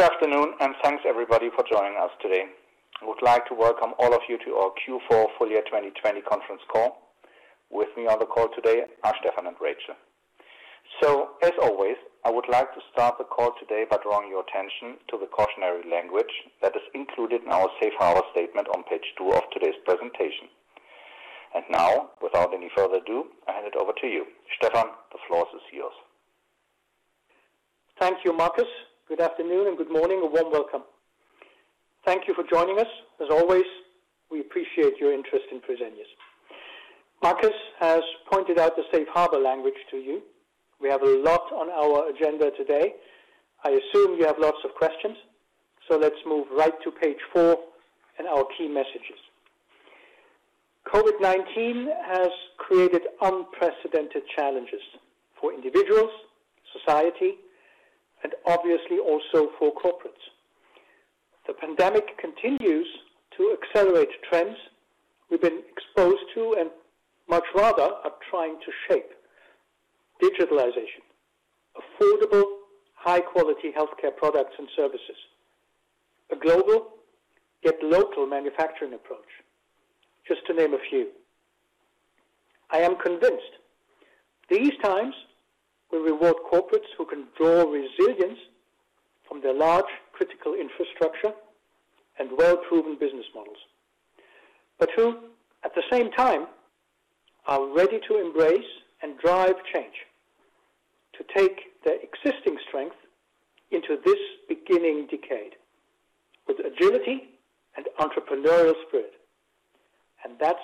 Good afternoon, and thanks everybody for joining us today. I would like to welcome all of you to our Q4 full year 2020 conference call. With me on the call today are Stephan and Rachel. As always, I would like to start the call today by drawing your attention to the cautionary language that is included in our safe harbor statement on page two of today's presentation. Now, without any further ado, I hand it over to you. Stephan, the floor is yours. Thank you, Markus. Good afternoon and good morning. A warm welcome. Thank you for joining us. As always, we appreciate your interest in Fresenius. Markus has pointed out the safe harbor language to you. We have a lot on our agenda today. I assume you have lots of questions. Let's move right to page four and our key messages. COVID-19 has created unprecedented challenges for individuals, society, and obviously also for corporates. The pandemic continues to accelerate trends we've been exposed to and much rather are trying to shape. Digitalization, affordable, high-quality healthcare products and services, a global yet local manufacturing approach, just to name a few. I am convinced these times will reward corporates who can draw resilience from their large critical infrastructure and well-proven business models. Who, at the same time, are ready to embrace and drive change to take their existing strength into this beginning decade with agility and entrepreneurial spirit. That's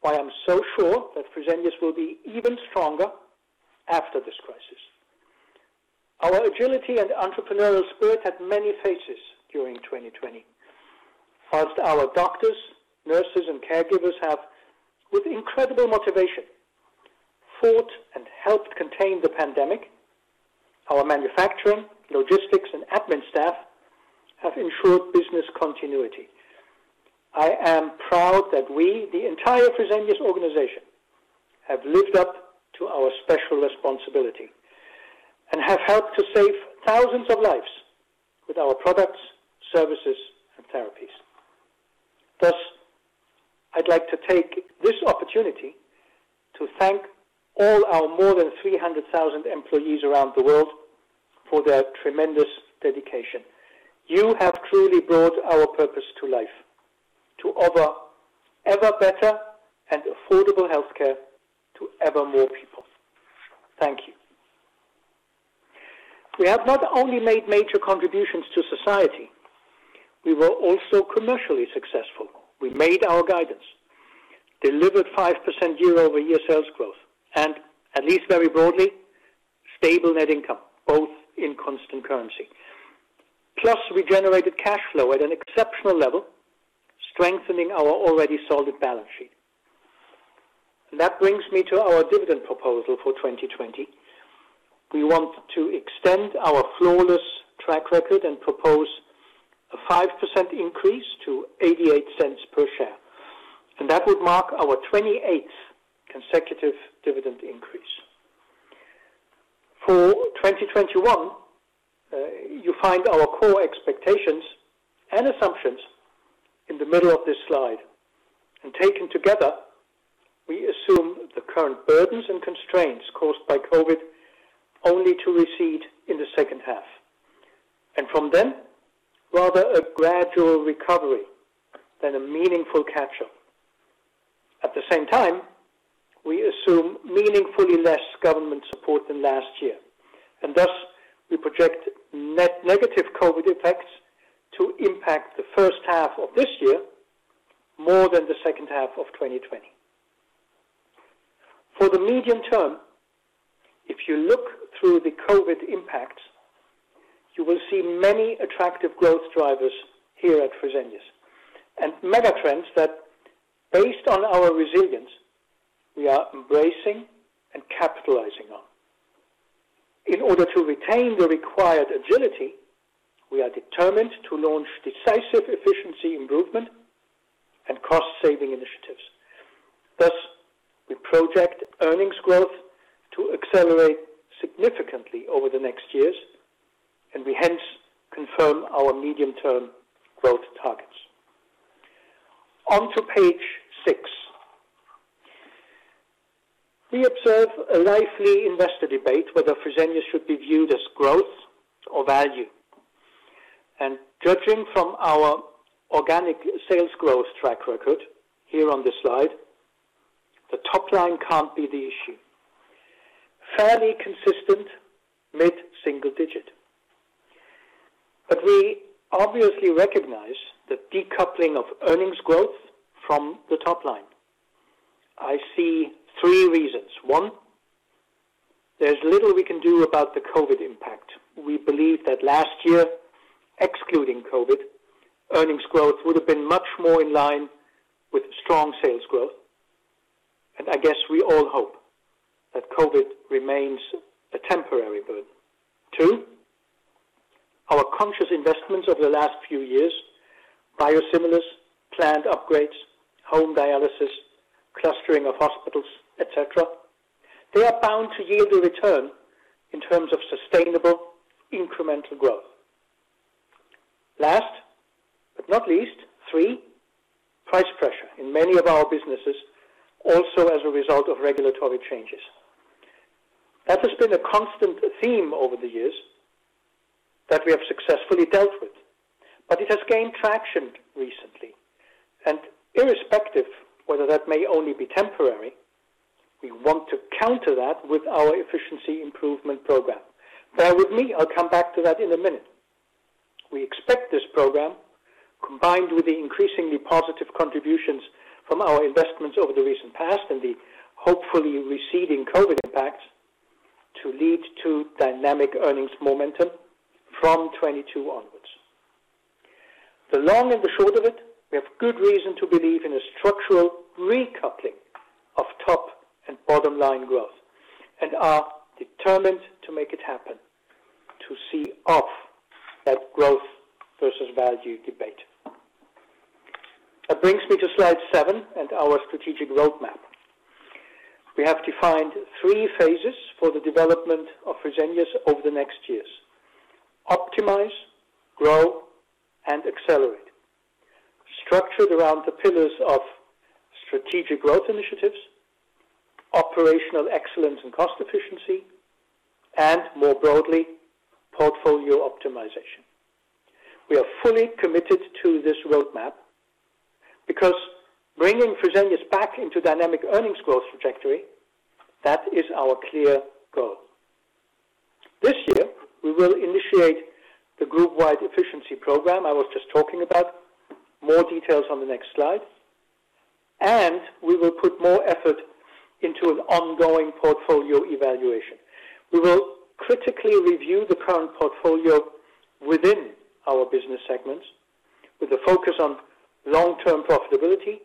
why I'm so sure that Fresenius will be even stronger after this crisis. Our agility and entrepreneurial spirit had many faces during 2020. Whilst our doctors, nurses, and caregivers have, with incredible motivation, fought and helped contain the pandemic, our manufacturing, logistics, and admin staff have ensured business continuity. I am proud that we, the entire Fresenius organization, have lived up to our special responsibility and have helped to save thousands of lives with our products, services, and therapies. Thus, I'd like to take this opportunity to thank all our more than 300,000 employees around the world for their tremendous dedication. You have truly brought our purpose to life. To offer ever better and affordable healthcare to ever more people. Thank you. We have not only made major contributions to society, we were also commercially successful. We made our guidance, delivered 5% year-over-year sales growth, and at least very broadly, stable net income, both in constant currency. We generated cash flow at an exceptional level, strengthening our already solid balance sheet. That brings me to our dividend proposal for 2020. We want to extend our flawless track record and propose a 5% increase to 0.88 per share. That would mark our 28th consecutive dividend increase. For 2021, you find our core expectations and assumptions in the middle of this slide. Taken together, we assume the current burdens and constraints caused by COVID only to recede in the second half. From then, rather a gradual recovery than a meaningful catch-up. At the same time, we assume meaningfully less government support than last year, thus we project net negative COVID effects to impact the first half of this year more than the second half of 2020. For the medium term, if you look through the COVID impacts, you will see many attractive growth drivers here at Fresenius, mega trends that based on our resilience, we are embracing and capitalizing on. In order to retain the required agility, we are determined to launch decisive efficiency improvement and cost-saving initiatives. We project earnings growth to accelerate significantly over the next years, we hence confirm our medium-term growth targets. Onto page six. We observe a lively investor debate whether Fresenius should be viewed as growth or value. Judging from our organic sales growth track record here on this slide, the top line can't be the issue. Fairly consistent, mid-single digit. We obviously recognize the decoupling of earnings growth from the top line. I see three reasons. One, there's little we can do about the COVID impact. We believe that last year, excluding COVID, earnings growth would have been much more in line with strong sales growth. I guess we all hope that COVID remains a temporary burden. Two, our conscious investments over the last few years, biosimilars, plant upgrades, home dialysis, clustering of hospitals, et cetera. They are bound to yield a return in terms of sustainable incremental growth. Last but not least, three, price pressure in many of our businesses, also as a result of regulatory changes. That has been a constant theme over the years that we have successfully dealt with. It has gained traction recently, irrespective whether that may only be temporary, we want to counter that with our efficiency improvement program. Bear with me, I'll come back to that in a minute. We expect this program, combined with the increasingly positive contributions from our investments over the recent past and the hopefully receding COVID impacts, to lead to dynamic earnings momentum from 2022 onwards. The long and the short of it, we have good reason to believe in a structural recoupling of top and bottom-line growth and are determined to make it happen to see off that growth versus value debate. It brings me to slide seven and our strategic roadmap. We have defined three phases for the development of Fresenius over the next years: optimize, grow, and accelerate. Structured around the pillars of strategic growth initiatives, operational excellence and cost efficiency, and more broadly, portfolio optimization. We are fully committed to this roadmap because bringing Fresenius back into dynamic earnings growth trajectory, that is our clear goal. This year, we will initiate the group-wide efficiency program I was just talking about. More details on the next slide. We will put more effort into an ongoing portfolio evaluation. We will critically review the current portfolio within our business segments with a focus on long-term profitability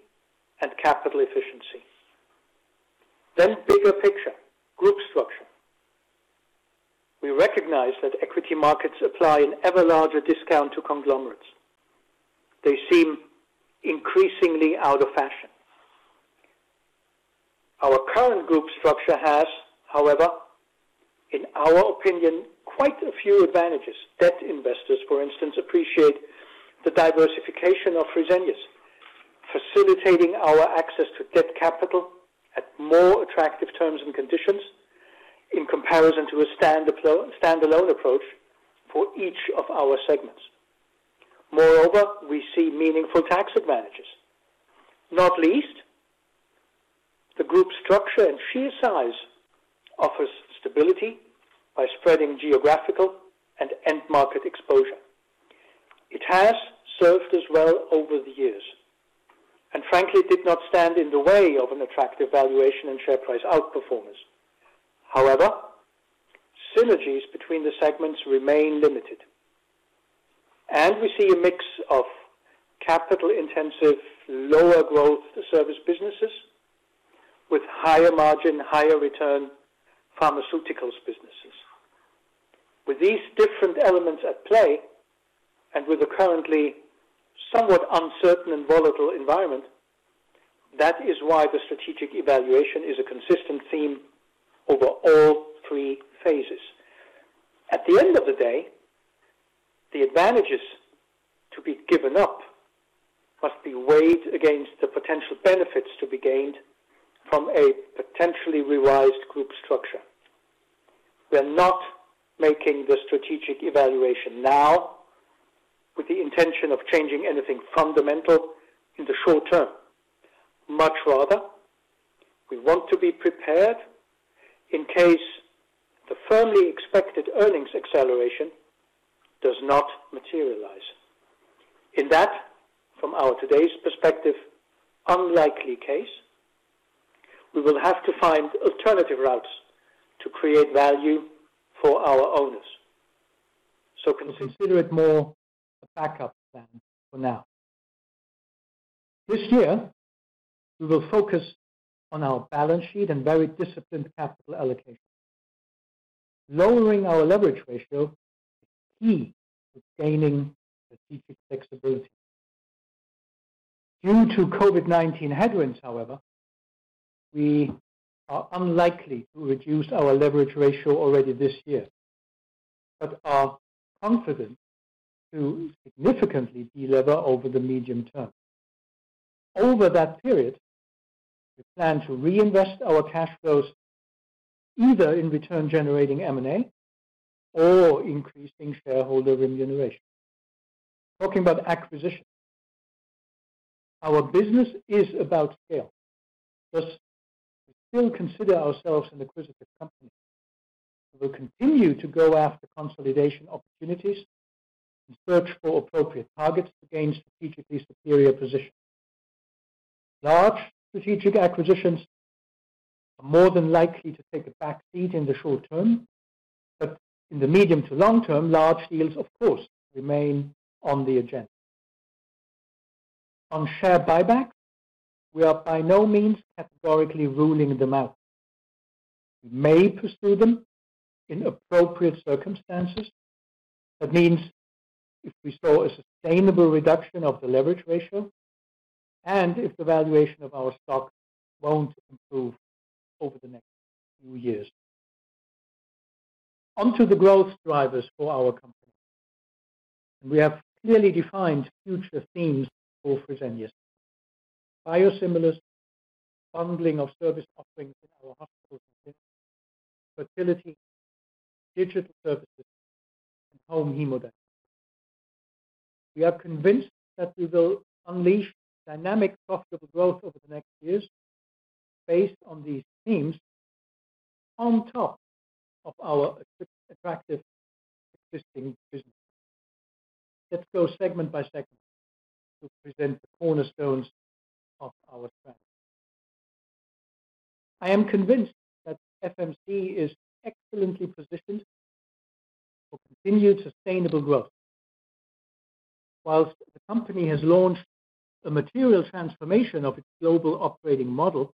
and capital efficiency. Bigger picture, group structure. We recognize that equity markets apply an ever larger discount to conglomerates. They seem increasingly out of fashion. Our current group structure has, however, in our opinion, quite a few advantages. Debt investors, for instance, appreciate the diversification of Fresenius, facilitating our access to debt capital at more attractive terms and conditions in comparison to a standalone approach for each of our segments. Moreover, we see meaningful tax advantages. Not least, the group structure and sheer size offers stability by spreading geographical and end market exposure. It has served us well over the years, and frankly did not stand in the way of an attractive valuation and share price outperformance. However, synergies between the segments remain limited. We see a mix of capital-intensive, lower growth service businesses with higher margin, higher return pharmaceuticals businesses. With these different elements at play, and with the currently somewhat uncertain and volatile environment, that is why the strategic evaluation is a consistent theme over all three phases. At the end of the day, the advantages to be given up must be weighed against the potential benefits to be gained from a potentially revised group structure. We are not making the strategic evaluation now with the intention of changing anything fundamental in the short term. Much rather, we want to be prepared in case the firmly expected earnings acceleration does not materialize. In that, from our today's perspective, unlikely case, we will have to find alternative routes to create value for our owners. Consider it more a backup plan for now. This year, we will focus on our balance sheet and very disciplined capital allocation. Lowering our leverage ratio is key to gaining strategic flexibility. Due to COVID-19 headwinds, however, we are unlikely to reduce our leverage ratio already this year, but are confident to significantly de-lever over the medium term. Over that period, we plan to reinvest our cash flows either in return generating M&A or increasing shareholder remuneration. Talking about acquisitions, our business is about scale. We still consider ourselves an acquisitive company and will continue to go after consolidation opportunities in search for appropriate targets to gain strategically superior positions. Large strategic acquisitions are more than likely to take a back seat in the short term. In the medium to long term, large deals, of course, remain on the agenda. On share buybacks, we are by no means categorically ruling them out. We may pursue them in appropriate circumstances. That means if we saw a sustainable reduction of the leverage ratio. If the valuation of our stock won't improve over the next few years. Onto the growth drivers for our company. We have clearly defined future themes for Fresenius. Biosimilars, bundling of service offerings in our hospital segment, fertility, digital services, and home hemodialysis. We are convinced that we will unleash dynamic profitable growth over the next years based on these themes, on top of our attractive existing business. Let's go segment by segment to present the cornerstones of our strategy. I am convinced that FMC is excellently positioned for continued sustainable growth. Whilst the company has launched a material transformation of its global operating model,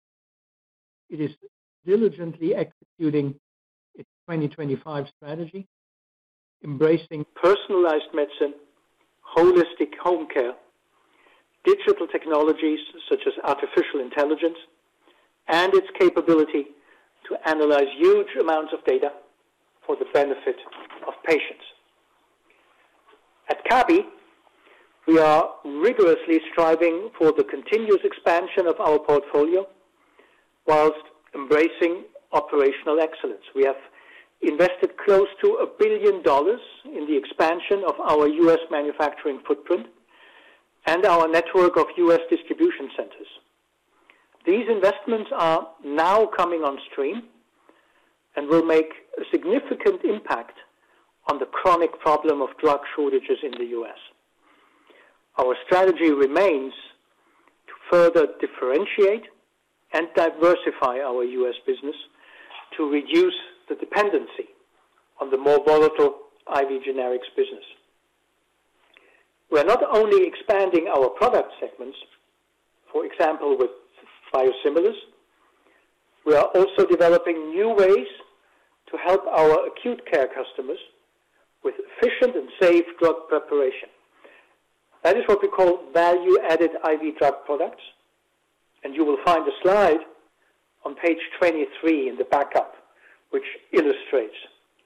it is diligently executing its 2025 strategy, embracing personalized medicine, holistic home care, digital technologies such as artificial intelligence, and its capability to analyze huge amounts of data for the benefit of patients. At Kabi, we are rigorously striving for the continuous expansion of our portfolio whilst embracing operational excellence. We have invested close to $1 billion in the expansion of our U.S. manufacturing footprint and our network of U.S. distribution centers. These investments are now coming on stream and will make a significant impact on the chronic problem of drug shortages in the U.S. Our strategy remains to further differentiate and diversify our U.S. business to reduce the dependency on the more volatile IV generics business. We are not only expanding our product segments, for example, with biosimilars, we are also developing new ways to help our acute care customers with efficient and safe drug preparation. That is what we call value-added IV drug products, and you will find a slide on page 23 in the backup, which illustrates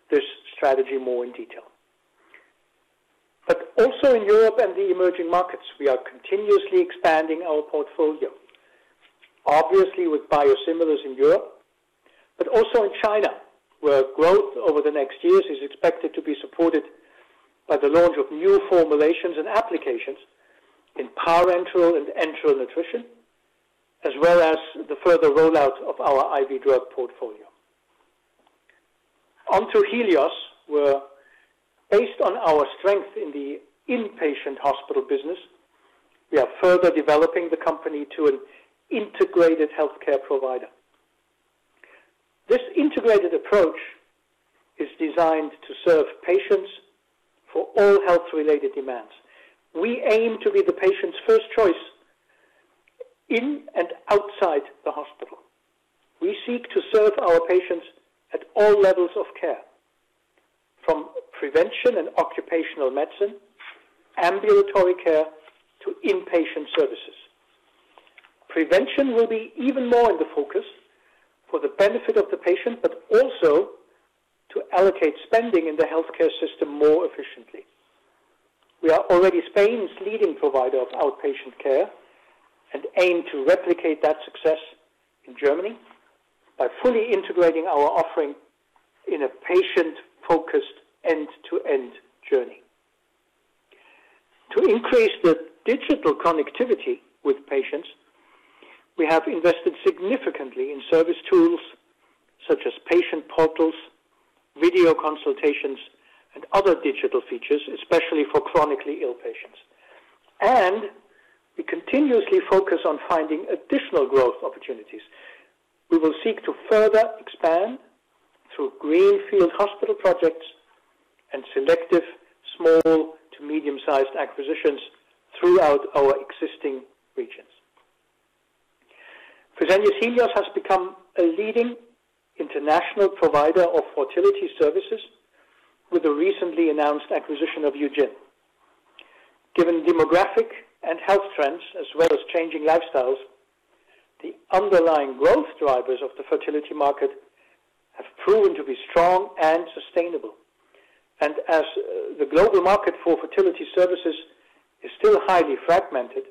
this strategy more in detail. Also in Europe and the emerging markets, we are continuously expanding our portfolio. With biosimilars in Europe, but also in China, where growth over the next years is expected to be supported by the launch of new formulations and applications in parenteral and enteral nutrition, as well as the further rollout of our IV drug portfolio. Onto Helios, where based on our strength in the inpatient hospital business, we are further developing the company to an integrated healthcare provider. This integrated approach is designed to serve patients for all health-related demands. We aim to be the patient's first choice in and outside the hospital. We seek to serve our patients at all levels of care, from prevention and occupational medicine, ambulatory care, to inpatient services. Prevention will be even more in the focus for the benefit of the patient, but also to allocate spending in the healthcare system more efficiently. We are already Spain's leading provider of outpatient care and aim to replicate that success in Germany by fully integrating our offering in a patient-focused end-to-end journey. To increase the digital connectivity with patients, we have invested significantly in service tools such as patient portals, video consultations, and other digital features, especially for chronically ill patients. We continuously focus on finding additional growth opportunities. We will seek to further expand through greenfield hospital projects and selective small to medium-sized acquisitions throughout our existing regions. Fresenius Helios has become a leading international provider of fertility services with the recently announced acquisition of Eugin. Given demographic and health trends as well as changing lifestyles, the underlying growth drivers of the fertility market have proven to be strong and sustainable. As the global market for fertility services is still highly fragmented,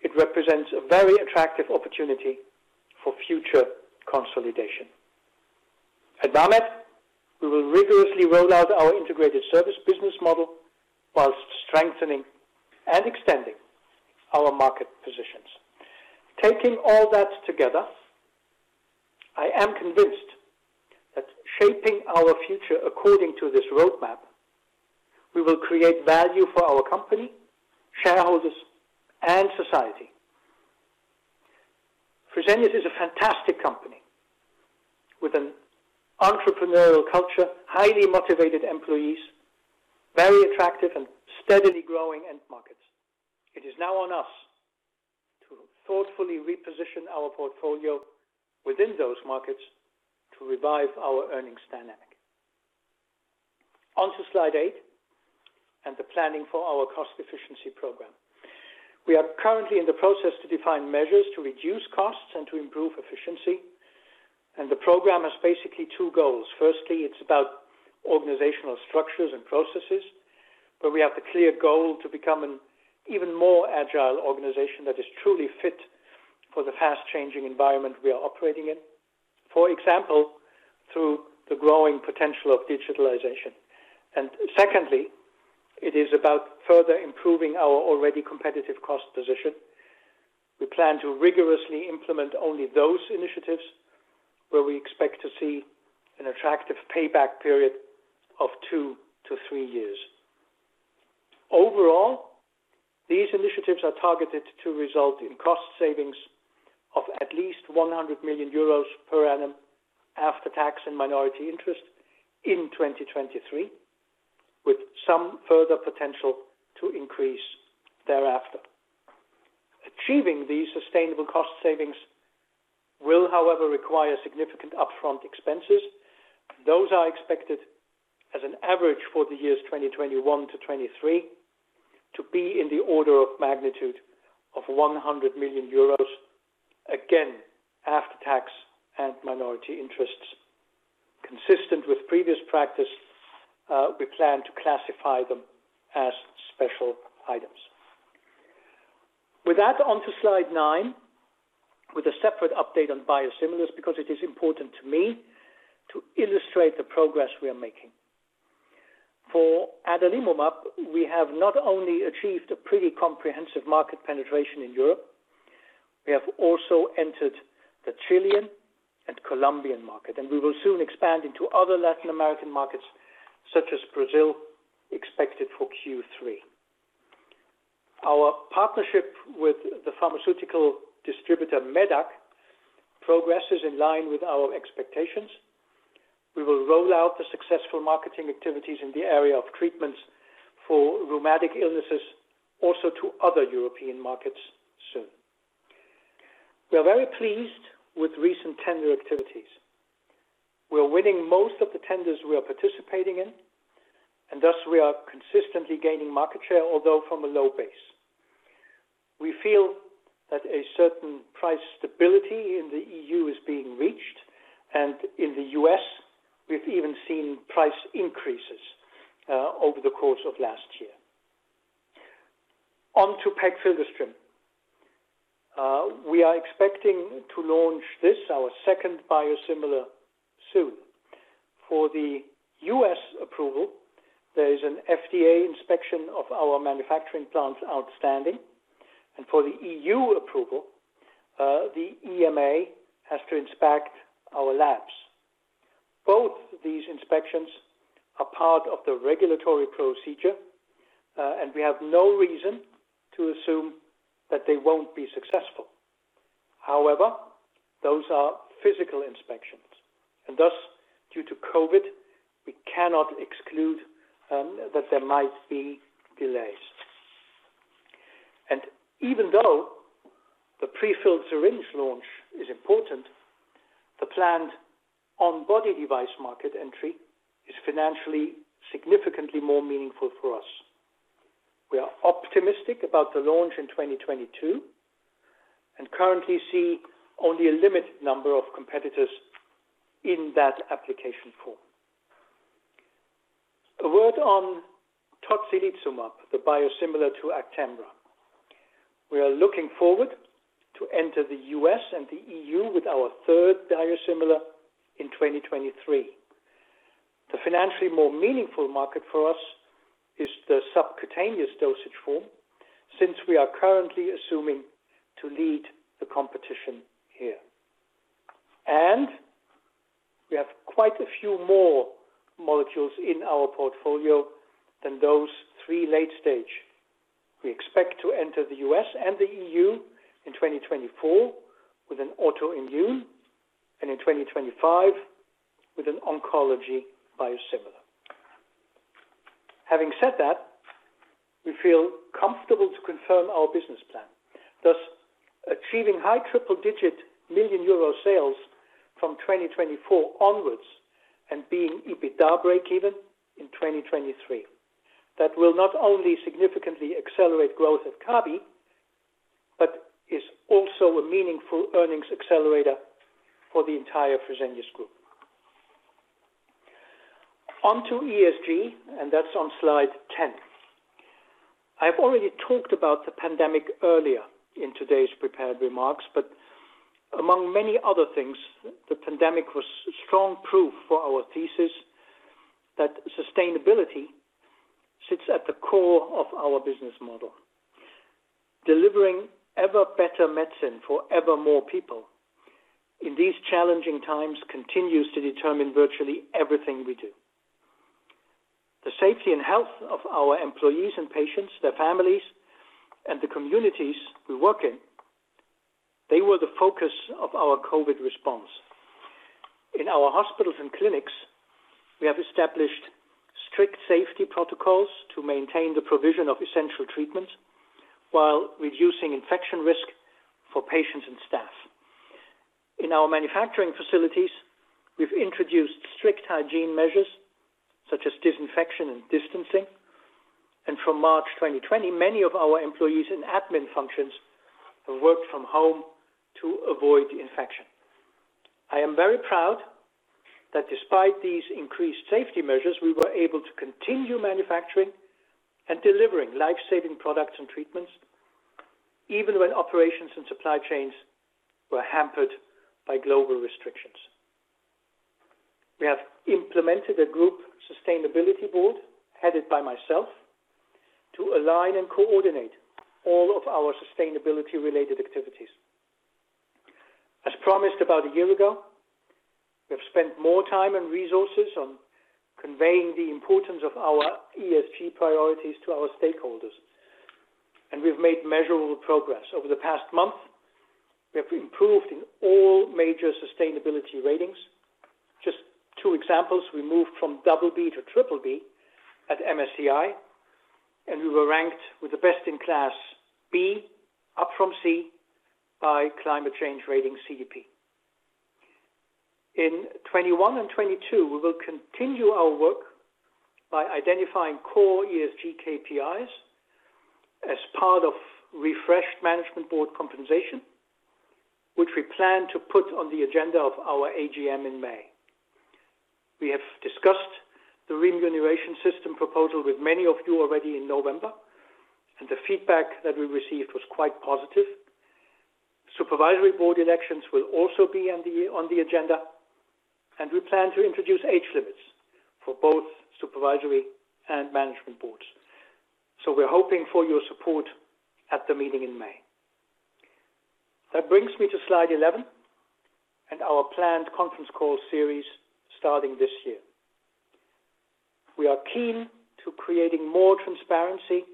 it represents a very attractive opportunity for future consolidation. At VAMED, we will rigorously roll out our integrated service business model whilst strengthening and extending our market positions. Taking all that together, I am convinced that shaping our future according to this roadmap, we will create value for our company, shareholders, and society. Fresenius is a fantastic company with an entrepreneurial culture, highly motivated employees, very attractive and steadily growing end markets. It is now on us to thoughtfully reposition our portfolio within those markets to revive our earnings dynamic. On to slide eight and the planning for our cost efficiency program. We are currently in the process to define measures to reduce costs and to improve efficiency. The program has basically two goals. Firstly, it's about organizational structures and processes, where we have the clear goal to become an even more agile organization that is truly fit for the fast-changing environment we are operating in. Secondly, it is about further improving our already competitive cost position. We plan to rigorously implement only those initiatives where we expect to see an attractive payback period of two to three years. Overall, these initiatives are targeted to result in cost savings of at least 100 million euros per annum after tax and minority interest in 2023, with some further potential to increase thereafter. Achieving these sustainable cost savings will, however, require significant upfront expenses. Those are expected as an average for the years 2021 to 2023 to be in the order of magnitude of 100 million euros, again, after tax and minority interests. Consistent with previous practice, we plan to classify them as special items. With that, on to slide nine, with a separate update on biosimilars because it is important to me to illustrate the progress we are making. For adalimumab, we have not only achieved a pretty comprehensive market penetration in Europe, we have also entered the Chilean and Colombian market, and we will soon expand into other Latin American markets such as Brazil, expected for Q3. Our partnership with the pharmaceutical distributor, medac, progress is in line with our expectations. We will roll out the successful marketing activities in the area of treatments for rheumatic illnesses also to other European markets soon. We are very pleased with recent tender activities. We are winning most of the tenders we are participating in, and thus we are consistently gaining market share, although from a low base. We feel that a certain price stability in the E.U. is being reached, and in the U.S., we've even seen price increases over the course of last year. On to pegfilgrastim. We are expecting to launch this, our second biosimilar, soon. For the U.S. approval, there is an FDA inspection of our manufacturing plants outstanding, and for the E.U. approval, the EMA has to inspect our labs. Both these inspections are part of the regulatory procedure, and we have no reason to assume that they won't be successful. However, those are physical inspections, and thus, due to COVID, we cannot exclude that there might be delays. Even though the prefilled syringe launch is important, the planned on-body device market entry is financially significantly more meaningful for us. We are optimistic about the launch in 2022, and currently see only a limited number of competitors in that application form. A word on tocilizumab, the biosimilar to Actemra. We are looking forward to enter the U.S. and the E.U. with our third biosimilar in 2023. The financially more meaningful market for us is the subcutaneous dosage form, since we are currently assuming to lead the competition here. We have quite a few more molecules in our portfolio than those three late stage. We expect to enter the U.S. and the E.U. in 2024 with an autoimmune, and in 2025 with an oncology biosimilar. Having said that, we feel comfortable to confirm our business plan. Thus, achieving high triple-digit million EUR sales from 2024 onwards, and being EBITDA breakeven in 2023. That will not only significantly accelerate growth of Kabi, but is also a meaningful earnings accelerator for the entire Fresenius group. On to ESG, that's on slide 10. I've already talked about the pandemic earlier in today's prepared remarks, among many other things, the pandemic was strong proof for our thesis that sustainability sits at the core of our business model. Delivering ever better medicine for ever more people in these challenging times continues to determine virtually everything we do. The safety and health of our employees and patients, their families, and the communities we work in, they were the focus of our COVID response. In our hospitals and clinics, we have established strict safety protocols to maintain the provision of essential treatments while reducing infection risk for patients and staff. In our manufacturing facilities, we've introduced strict hygiene measures such as disinfection and distancing. From March 2020, many of our employees in admin functions have worked from home to avoid the infection. I am very proud that despite these increased safety measures, we were able to continue manufacturing and delivering life-saving products and treatments even when operations and supply chains were hampered by global restrictions. We have implemented a group sustainability board, headed by myself, to align and coordinate all of our sustainability related activities. As promised about a year ago, we have spent more time and resources on conveying the importance of our ESG priorities to our stakeholders, and we've made measurable progress. Over the past month, we have improved in all major sustainability ratings. Just two examples. We moved from double B to triple B at MSCI, and we were ranked with the best-in-class B up from C by Climate Change Rating CDP. In 2021 and 2022, we will continue our work by identifying core ESG KPIs as part of refreshed management board compensation, which we plan to put on the agenda of our AGM in May. We have discussed the remuneration system proposal with many of you already in November, the feedback that we received was quite positive. Supervisory board elections will also be on the agenda, and we plan to introduce age limits for both supervisory and management boards. We're hoping for your support at the meeting in May. That brings me to slide 11 and our planned conference call series starting this year. We are keen to creating more transparency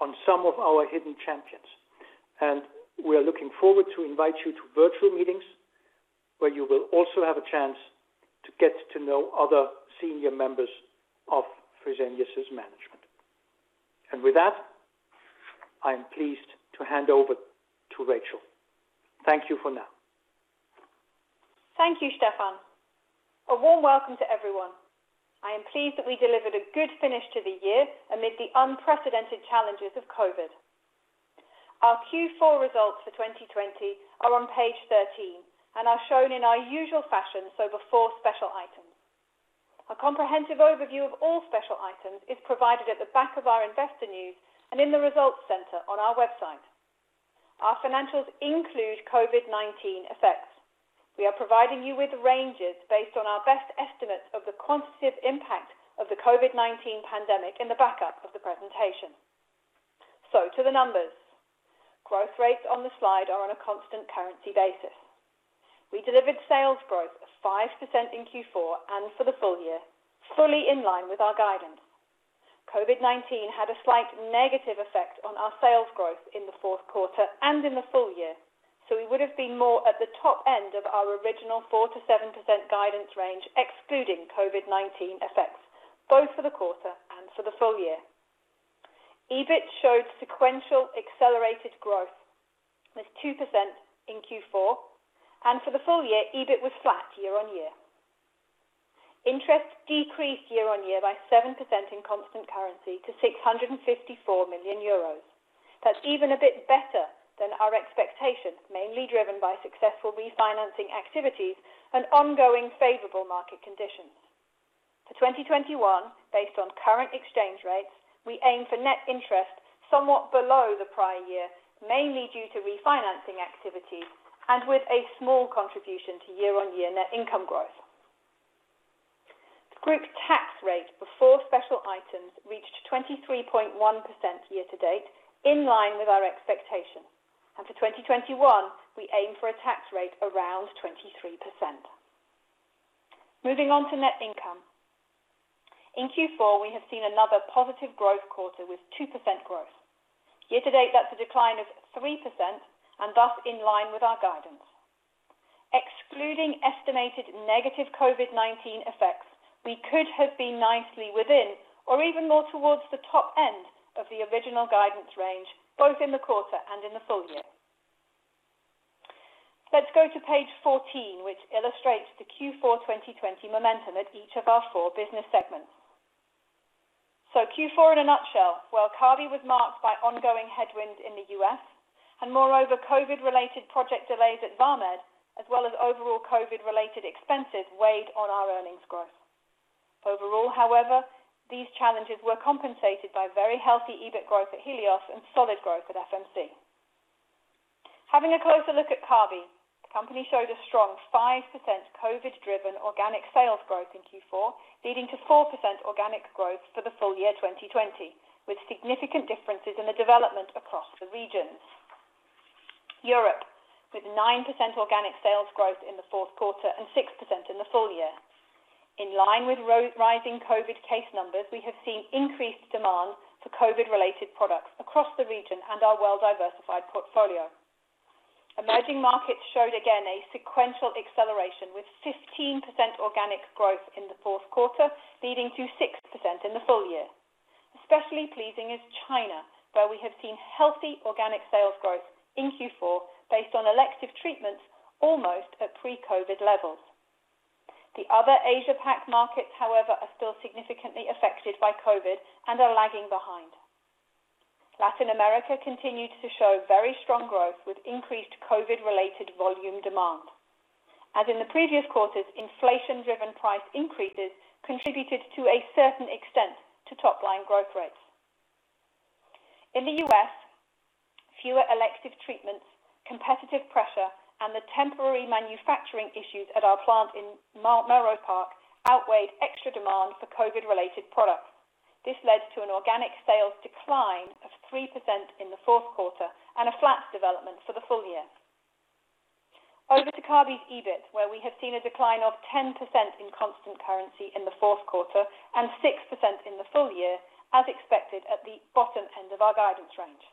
on some of our hidden champions, and we are looking forward to invite you to virtual meetings, where you will also have a chance to get to know other senior members of Fresenius' management. With that, I am pleased to hand over to Rachel. Thank you for now. Thank you, Stephan. A warm welcome to everyone. I am pleased that we delivered a good finish to the year amid the unprecedented challenges of COVID. Our Q4 results for 2020 are on page 13 and are shown in our usual fashion, so before special items. A comprehensive overview of all special items is provided at the back of our investor news and in the results center on our website. Our financials include COVID-19 effects. We are providing you with ranges based on our best estimates of the quantitative impact of the COVID-19 pandemic in the backup of the presentation. To the numbers. Growth rates on the slide are on a constant currency basis. We delivered sales growth of 5% in Q4 and for the full year, fully in line with our guidance. COVID-19 had a slight negative effect on our sales growth in the fourth quarter and in the full year, so we would've been more at the top end of our original 4%-7% guidance range, excluding COVID-19 effects, both for the quarter and for the full year. EBIT showed sequential accelerated growth with 2% in Q4. For the full year, EBIT was flat year-on-year. Interest decreased year-on-year by 7% in constant currency to €654 million. That's even a bit better than our expectations, mainly driven by successful refinancing activities and ongoing favorable market conditions. For 2021, based on current exchange rates, we aim for net interest somewhat below the prior year, mainly due to refinancing activities and with a small contribution to year-on-year net income growth. The group tax rate before special items reached 23.1% year to date, in line with our expectation. For 2021, we aim for a tax rate around 23%. Moving on to net income. In Q4, we have seen another positive growth quarter with 2% growth. Year to date, that's a decline of 3% and thus in line with our guidance. Excluding estimated negative COVID-19 effects, we could have been nicely within or even more towards the top end of the original guidance range, both in the quarter and in the full year. Let's go to page 14, which illustrates the Q4 2020 momentum at each of our four business segments. Q4 in a nutshell. Well, Kabi was marked by ongoing headwind in the U.S., and moreover, COVID-related project delays at Vamed, as well as overall COVID-related expenses weighed on our earnings growth. Overall, however, these challenges were compensated by very healthy EBIT growth at Helios and solid growth at FMC. Having a closer look at Kabi, the company showed a strong 5% COVID-driven organic sales growth in Q4, leading to 4% organic growth for the full year 2020, with significant differences in the development across the regions, Europe, with 9% organic sales growth in the fourth quarter and 6% in the full year. In line with rising COVID case numbers, we have seen increased demand for COVID-related products across the region and our well-diversified portfolio. Emerging markets showed again a sequential acceleration with 15% organic growth in the fourth quarter, leading to 6% in the full year. Especially pleasing is China, where we have seen healthy organic sales growth in Q4 based on elective treatments almost at pre-COVID levels. The other Asia Pac markets, however, are still significantly affected by COVID and are lagging behind. Latin America continued to show very strong growth with increased COVID related volume demand. As in the previous quarters, inflation driven price increases contributed to a certain extent to top line growth rates. In the U.S., fewer elective treatments, competitive pressure, and the temporary manufacturing issues at our plant in Melrose Park outweighed extra demand for COVID related products. This led to an organic sales decline of 3% in the fourth quarter and a flat development for the full year. Over to Kabi's EBIT, where we have seen a decline of 10% in constant currency in the fourth quarter and 6% in the full year, as expected at the bottom end of our guidance range.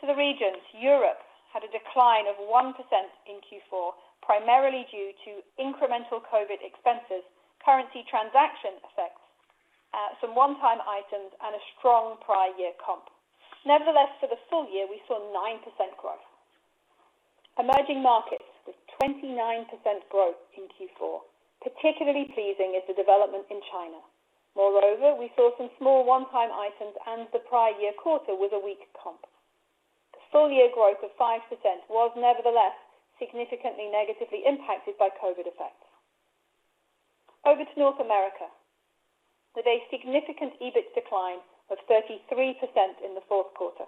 To the regions, Europe had a decline of 1% in Q4, primarily due to incremental COVID expenses, currency transaction effects, some one time items and a strong prior year comp. Nevertheless, for the full year we saw 9% growth. Emerging markets with 29% growth in Q4. Particularly pleasing is the development in China. We saw some small one time items and the prior year quarter was a weak comp. The full year growth of 5% was nevertheless significantly negatively impacted by COVID effects. Over to North America with a significant EBIT decline of 33% in the fourth quarter.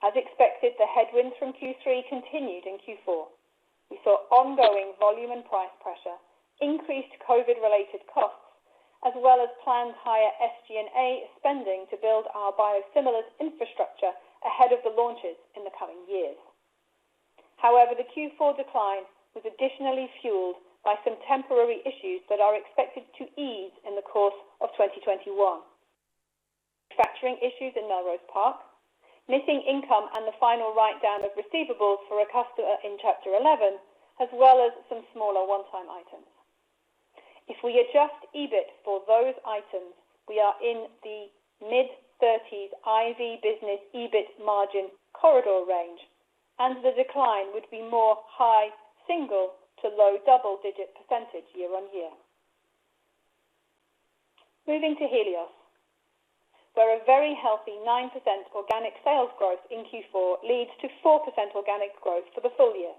As expected, the headwinds from Q3 continued in Q4. We saw ongoing volume and price pressure, increased COVID related costs, as well as planned higher SG&A spending to build our biosimilars infrastructure ahead of the launches in the coming years. The Q4 decline was additionally fueled by some temporary issues that are expected to ease in the course of 2021. Manufacturing issues in Melrose Park, missing income, and the final write-down of receivables for a customer in Chapter 11, as well as some smaller one-time items. If we adjust EBIT for those items, we are in the mid-30s IV business EBIT margin corridor range, and the decline would be more high single-digit to low double-digit percentage year-over-year. Moving to Helios, where a very healthy 9% organic sales growth in Q4 leads to 4% organic growth for the full year.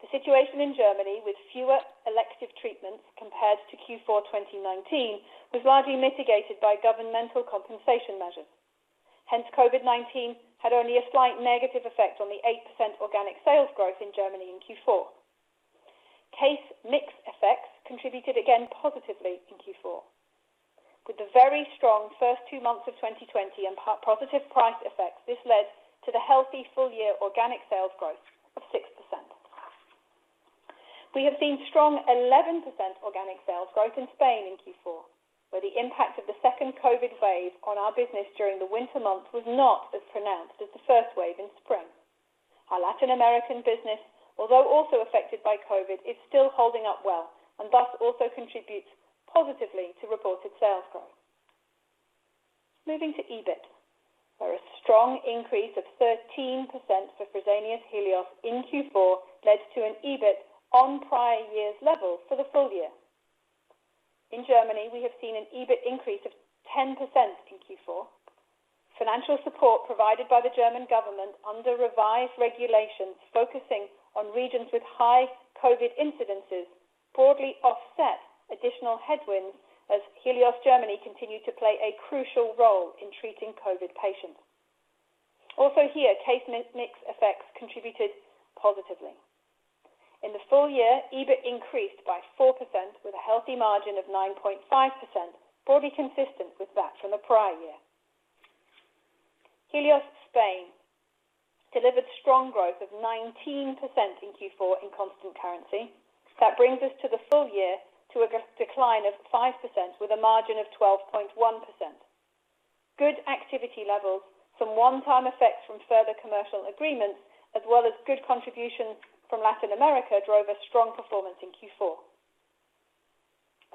The situation in Germany with fewer elective treatments compared to Q4 2019 was largely mitigated by governmental compensation measures. COVID-19 had only a slight negative effect on the 8% organic sales growth in Germany in Q4. Case mix effects contributed again positively in Q4. With the very strong first two months of 2020 and positive price effects, this led to the healthy full year organic sales growth of 6%. We have seen strong 11% organic sales growth in Spain in Q4, where the impact of the second COVID wave on our business during the winter months was not as pronounced as the first wave in spring. Our Latin American business, although also affected by COVID, is still holding up well and thus also contributes positively to reported sales growth. Moving to EBIT. A strong increase of 13% for Fresenius Helios in Q4 led to an EBIT on prior year's level for the full year. In Germany, we have seen an EBIT increase of 10% in Q4. Financial support provided by the German government under revised regulations focusing on regions with high COVID incidences broadly offset additional headwinds as Helios Germany continued to play a crucial role in treating COVID patients. Also here, case mix effects contributed positively. In the full year, EBIT increased by 4% with a healthy margin of 9.5%, broadly consistent with that from the prior year. Helios Spain delivered strong growth of 19% in Q4 in constant currency. That brings us to the full year to a decline of 5% with a margin of 12.1%. Good activity levels, some one-time effects from further commercial agreements, as well as good contributions from Latin America drove a strong performance in Q4.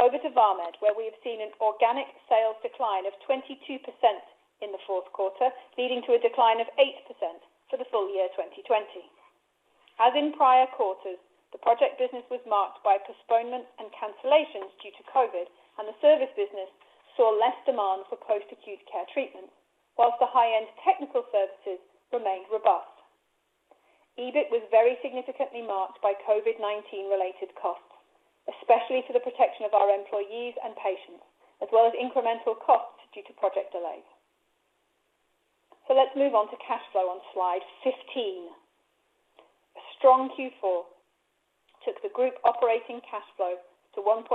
Over to Vamed, where we have seen an organic sales decline of 22% in the fourth quarter, leading to a decline of 8% for the full year 2020. As in prior quarters, the project business was marked by postponements and cancellations due to COVID, and the service business saw less demand for post-acute care treatments, while the high-end technical services remained robust. EBIT was very significantly marked by COVID-19 related costs, especially for the protection of our employees and patients, as well as incremental costs due to project delays. Let's move on to cash flow on slide 15. A strong Q4 took the group operating cash flow to 1.4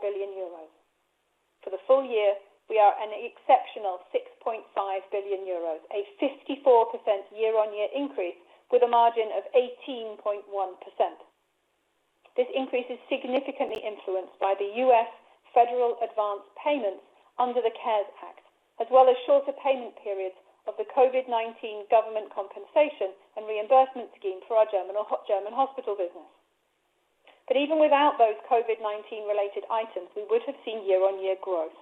billion euros. For the full year, we are an exceptional 6.5 billion euros, a 54% year-on-year increase with a margin of 18.1%. This increase is significantly influenced by the U.S. Federal Advanced Payments under the CARES Act, as well as shorter payment periods of the COVID-19 government compensation and reimbursement scheme for our German hospital business. Even without those COVID-19 related items, we would have seen year-on-year growth.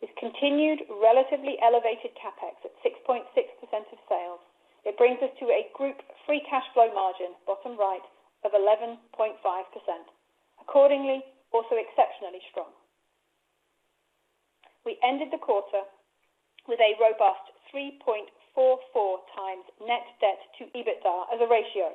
With continued relatively elevated CapEx at 6.6% of sales, it brings us to a group free cash flow margin, bottom right, of 11.5%. Accordingly, also exceptionally strong. We ended the quarter with a robust 3.44 times net debt to EBITDA as a ratio.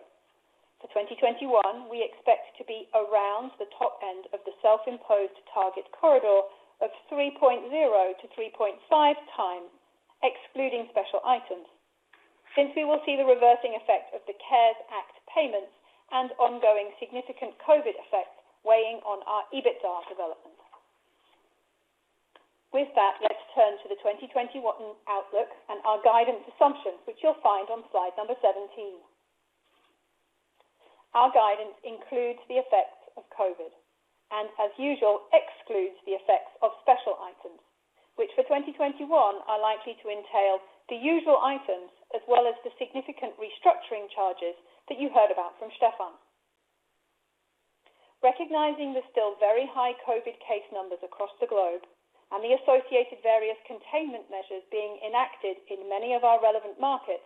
For 2021, we expect to be around the top end of the self-imposed target corridor of 3.0-3.5 times excluding special items. Since we will see the reversing effect of the CARES Act payments and ongoing significant COVID effects weighing on our EBITDA development. With that, let's turn to the 2021 outlook and our guidance assumptions, which you'll find on slide number 17. Our guidance includes the effects of COVID, and as usual, excludes the effects of special items, which for 2021 are likely to entail the usual items as well as the significant restructuring charges that you heard about from Stephan. Recognizing the still very high COVID case numbers across the globe and the associated various containment measures being enacted in many of our relevant markets,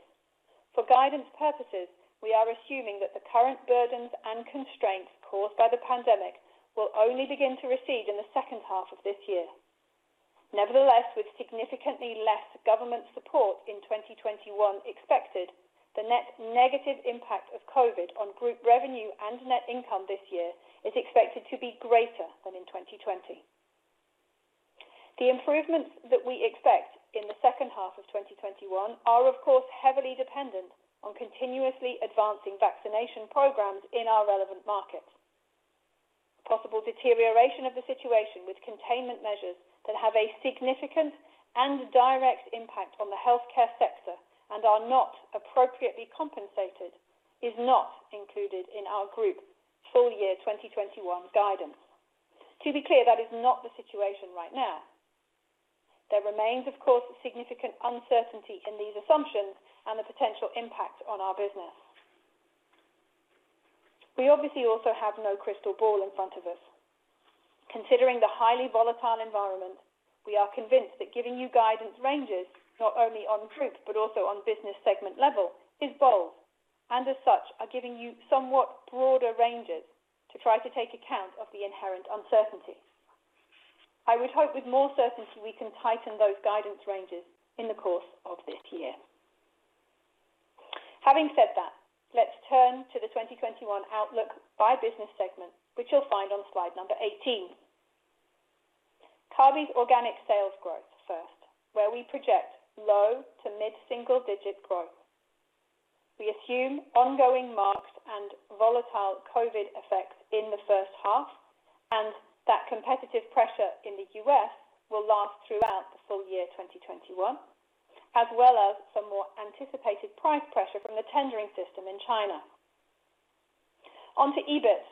for guidance purposes, we are assuming that the current burdens and constraints caused by the pandemic will only begin to recede in the second half of this year. Nevertheless, with significantly less government support in 2021 expected, the net negative impact of COVID on group revenue and net income this year is expected to be greater than in 2020. The improvements that we expect in the second half of 2021 are, of course, heavily dependent on continuously advancing vaccination programs in our relevant markets. Possible deterioration of the situation with containment measures that have a significant and direct impact on the healthcare sector and are not appropriately compensated is not included in our group full year 2021 guidance. To be clear, that is not the situation right now. There remains, of course, significant uncertainty in these assumptions and the potential impact on our business. We obviously also have no crystal ball in front of us. Considering the highly volatile environment, we are convinced that giving you guidance ranges not only on group but also on business segment level is bold, and as such, are giving you somewhat broader ranges to try to take account of the inherent uncertainties. I would hope with more certainty we can tighten those guidance ranges in the course of this year. Having said that, let's turn to the 2021 outlook by business segment, which you'll find on slide number 18. Kabi's organic sales growth first, where we project low to mid-single digit growth. We assume ongoing marked and volatile COVID effects in the first half, and that competitive pressure in the U.S. will last throughout the full year 2021, as well as some more anticipated price pressure from the tendering system in China. Onto EBIT,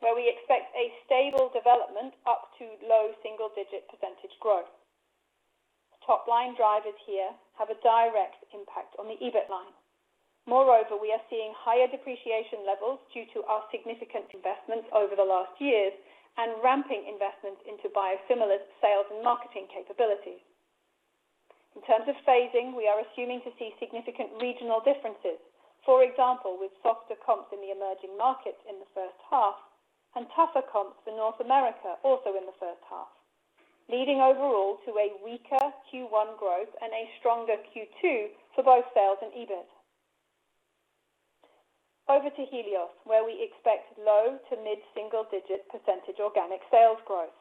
where we expect a stable development up to low single-digit % growth. Top-line drivers here have a direct impact on the EBIT line. Moreover, we are seeing higher depreciation levels due to our significant investments over the last years and ramping investments into biosimilars sales and marketing capabilities. In terms of phasing, we are assuming to see significant regional differences. For example, with softer comps in the emerging markets in the first half and tougher comps in North America also in the first half, leading overall to a weaker Q1 growth and a stronger Q2 for both sales and EBIT. Over to Helios, where we expect low to mid-single digit % organic sales growth.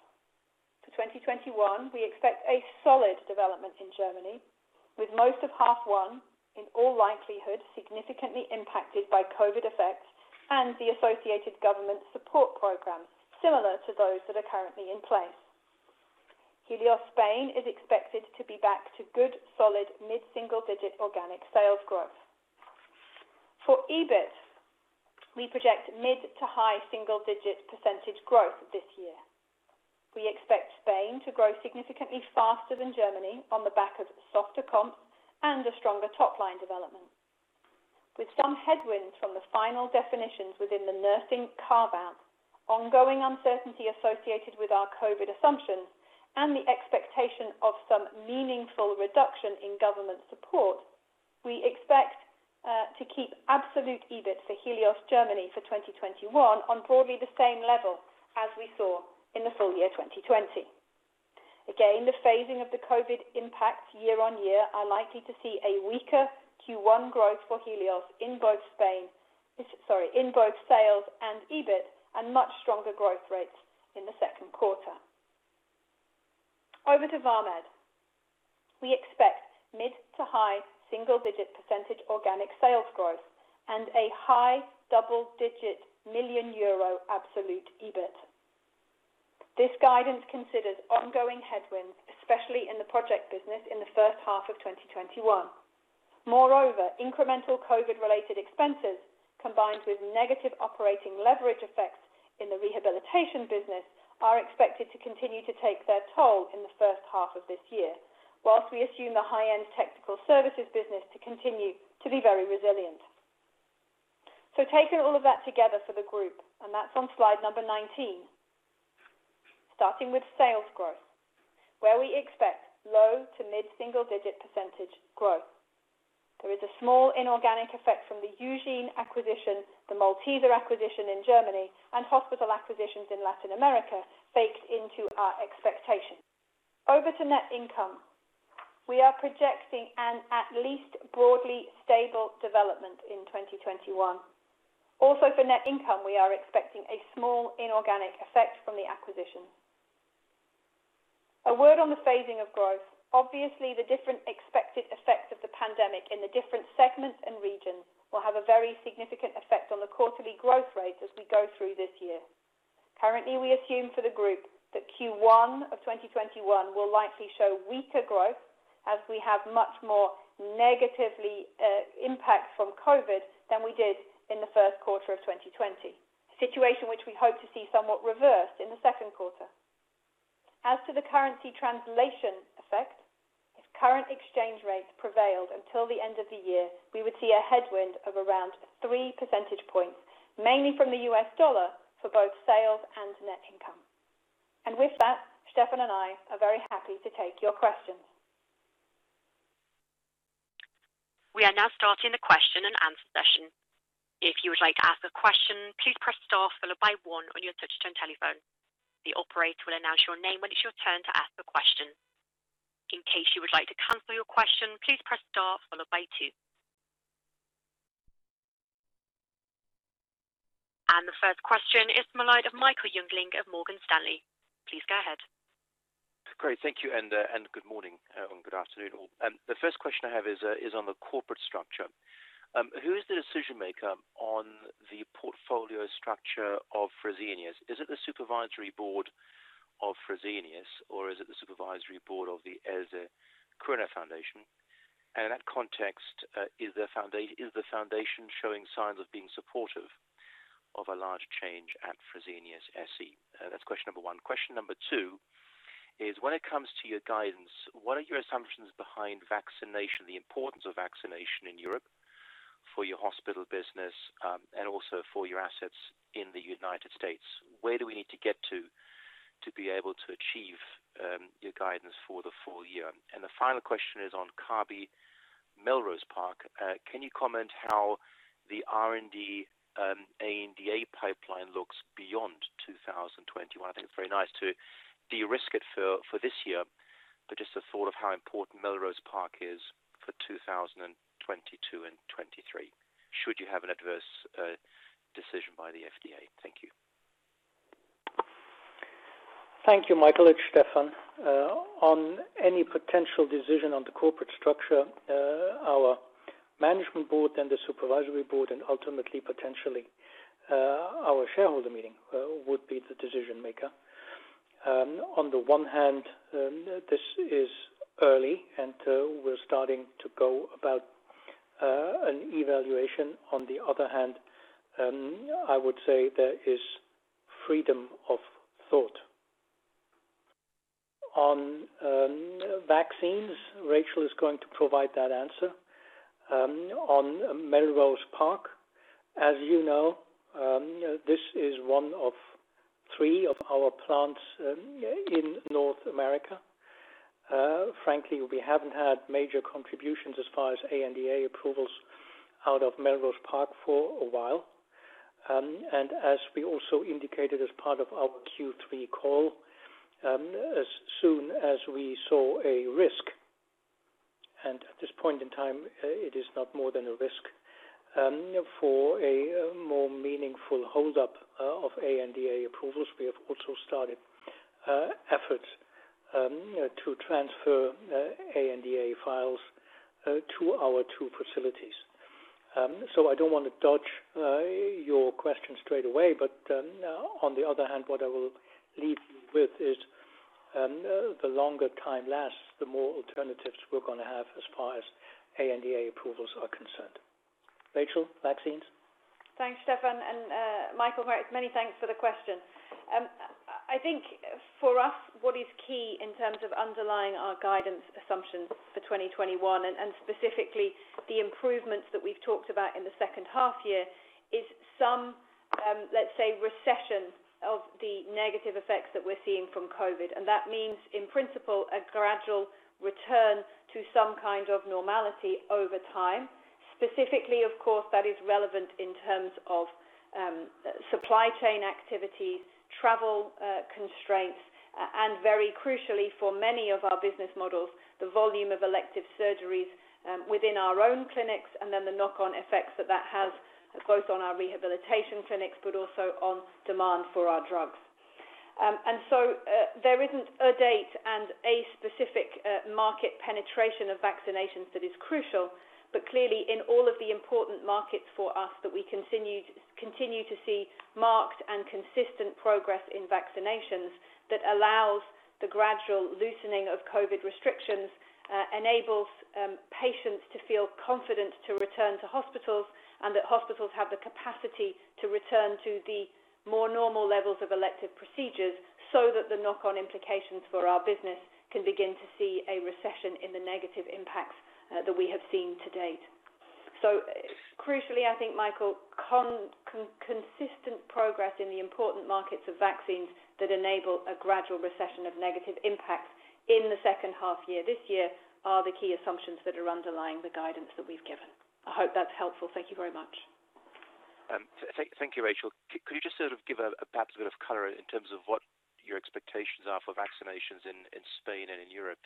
For 2021, we expect a solid development in Germany, with most of half one in all likelihood significantly impacted by COVID effects and the associated government support programs similar to those that are currently in place. Helios Spain is expected to be back to good, solid mid-single digit organic sales growth. For EBIT, we project mid to high single digit % growth this year. We expect Spain to grow significantly faster than Germany on the back of softer comps and a stronger top-line development. With some headwinds from the final definitions within the nursing carve-out, ongoing uncertainty associated with our COVID assumptions, and the expectation of some meaningful reduction in government support, we expect to keep absolute EBIT for Helios Germany for 2021 on broadly the same level as we saw in the full year 2020. The phasing of the COVID impacts year-over-year are likely to see a weaker Q1 growth for Helios in both sales and EBIT, and much stronger growth rates in the second quarter. Over to Vamed. We expect mid to high single-digit percentage organic sales growth and a high double-digit million euro absolute EBIT. This guidance considers ongoing headwinds, especially in the project business in the first half of 2021. Incremental COVID-related expenses, combined with negative operating leverage effects in the rehabilitation business are expected to continue to take their toll in the first half of this year, while we assume the high-end technical services business to continue to be very resilient. Taking all of that together for the group, and that's on slide 19. Starting with sales growth, where we expect low to mid-single-digit percentage growth. There is a small inorganic effect from the Eugin acquisition, the Malteser acquisition in Germany, and hospital acquisitions in Latin America baked into our expectations. Over to net income. We are projecting an at least broadly stable development in 2021. Also for net income, we are expecting a small inorganic effect from the acquisition. A word on the phasing of growth. Obviously, the different expected effects of the pandemic in the different segments and regions will have a very significant effect on the quarterly growth rates as we go through this year. Currently, we assume for the group that Q1 of 2021 will likely show weaker growth as we have much more negatively impact from COVID than we did in the first quarter of 2020. A situation which we hope to see somewhat reversed in the second quarter. As to the currency translation effect, if current exchange rates prevailed until the end of the year, we would see a headwind of around 3 percentage points, mainly from the U.S. dollar, for both sales and net income. With that, Stephan and I are very happy to take your questions. We are now starting the question and answer session. If you would like to ask a question, please press star followed by one on your touch-tone telephone. The operator will announce your name when it's your turn to ask a question. In case you would like to cancel your question, please press star followed by two. The first question is the line of Michael Jüngling of Morgan Stanley. Please go ahead. Great. Thank you, and good morning and good afternoon all. The first question I have is on the corporate structure. Who is the decision maker on the portfolio structure of Fresenius? Is it the supervisory board of Fresenius or is it the supervisory board of the Else Kröner-Fresenius-Stiftung? In that context, is the foundation showing signs of being supportive of a large change at Fresenius SE? That's question number one. Question number two is when it comes to your guidance, what are your assumptions behind vaccination, the importance of vaccination in Europe for your hospital business and also for your assets in the U.S.? Where do we need to get to be able to achieve your guidance for the full year? The final question is on Kabi Melrose Park. Can you comment how the R&D ANDA pipeline looks beyond 2021? I think it's very nice to de-risk it for this year, but just a thought of how important Melrose Park is for 2022 and 2023, should you have an adverse decision by the FDA. Thank you. Thank you, Michael. It's Stephan. On any potential decision on the corporate structure, our management board and the supervisory board and ultimately potentially our shareholder meeting would be the decision maker. On the one hand, this is early and we're starting to go about an evaluation. On the other hand, I would say there is freedom of thought. On vaccines, Rachel is going to provide that answer. On Melrose Park, as you know, this is one of three of our plants in North America. Frankly, we haven't had major contributions as far as ANDA approvals out of Melrose Park for a while. As we also indicated as part of our Q3 call, as soon as we saw a risk, and at this point in time it is not more than a risk, for a more meaningful hold up of ANDA approvals we have also started efforts to transfer ANDA files to our two facilities. I don't want to dodge your question straight away, but on the other hand what I will leave you with is the longer time lasts, the more alternatives we're going to have as far as ANDA approvals are concerned. Rachel, vaccines? Thanks, Stephan and Michael, many thanks for the question. I think for us what is key in terms of underlying our guidance assumptions for 2021 and specifically the improvements that we've talked about in the second half year is some, let's say, recession of the negative effects that we're seeing from COVID. That means, in principle, a gradual return to some kind of normality over time. Specifically, of course, that is relevant in terms of supply chain activities, travel constraints and very crucially for many of our business models, the volume of elective surgeries within our own clinics and then the knock-on effects that that has both on our rehabilitation clinics but also on demand for our drugs. There isn't a date and a specific market penetration of vaccinations that is crucial, but clearly in all of the important markets for us that we continue to see marked and consistent progress in vaccinations that allows the gradual loosening of COVID restrictions, enables patients to feel confident to return to hospitals and that hospitals have the capacity to return to the more normal levels of elective procedures so that the knock-on implications for our business can begin to see a recession in the negative impacts that we have seen to date. Crucially, I think, Michael, consistent progress in the important markets of vaccines that enable a gradual recession of negative impacts in the second half year this year are the key assumptions that are underlying the guidance that we've given. I hope that's helpful. Thank you very much. Thank you, Rachel. Could you just give perhaps a bit of color in terms of what your expectations are for vaccinations in Spain and in Europe?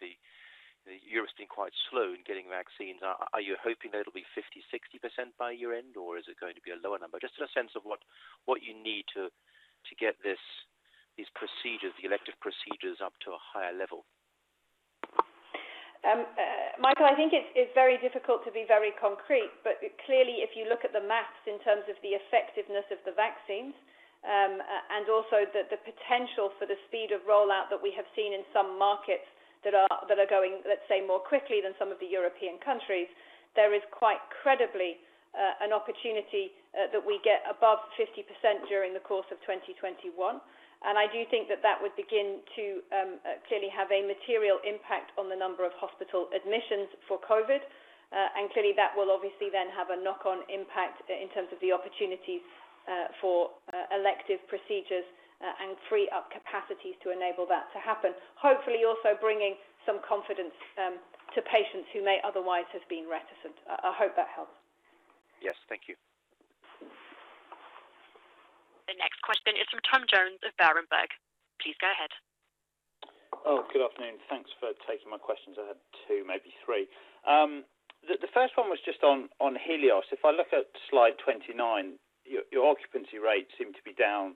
Europe's been quite slow in getting vaccines. Are you hoping that it'll be 50%, 60% by year-end, or is it going to be a lower number? Just a sense of what you need to get these elective procedures up to a higher level. Michael, I think it's very difficult to be very concrete, but clearly, if you look at the math in terms of the effectiveness of the vaccines, and also the potential for the speed of rollout that we have seen in some markets that are going, let's say, more quickly than some of the European countries, there is quite credibly an opportunity that we get above 50% during the course of 2021. I do think that that would begin to clearly have a material impact on the number of hospital admissions for COVID. Clearly, that will obviously then have a knock-on impact in terms of the opportunities for elective procedures and free up capacities to enable that to happen. Hopefully also bringing some confidence to patients who may otherwise have been reticent. I hope that helps. Yes. Thank you. The next question is from Tom Jones of Berenberg. Please go ahead. Good afternoon. Thanks for taking my questions. I had two, maybe three. The first one was just on Helios. If I look at slide 29, your occupancy rates seem to be down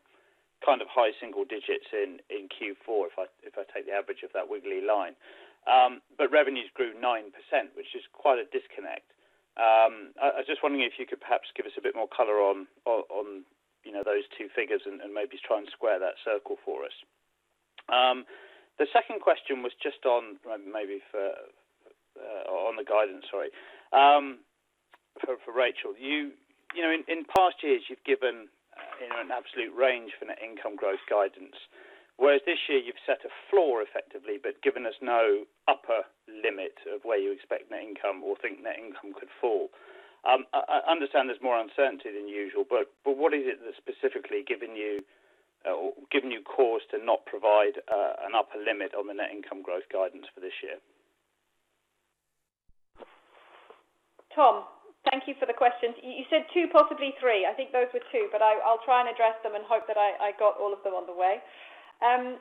high single digits in Q4, if I take the average of that wiggly line. Revenues grew 9%, which is quite a disconnect. I was just wondering if you could perhaps give us a bit more color on those two figures and maybe try and square that circle for us. The second question was just on the guidance, for Rachel. In past years, you've given an absolute range for net income growth guidance. This year you've set a floor effectively, but given us no upper limit of where you expect net income or think net income could fall. I understand there's more uncertainty than usual, but what is it that's specifically given you cause to not provide an upper limit on the net income growth guidance for this year? Tom, thank you for the questions. You said two, possibly three. I think those were two, but I'll try and address them and hope that I got all of them on the way.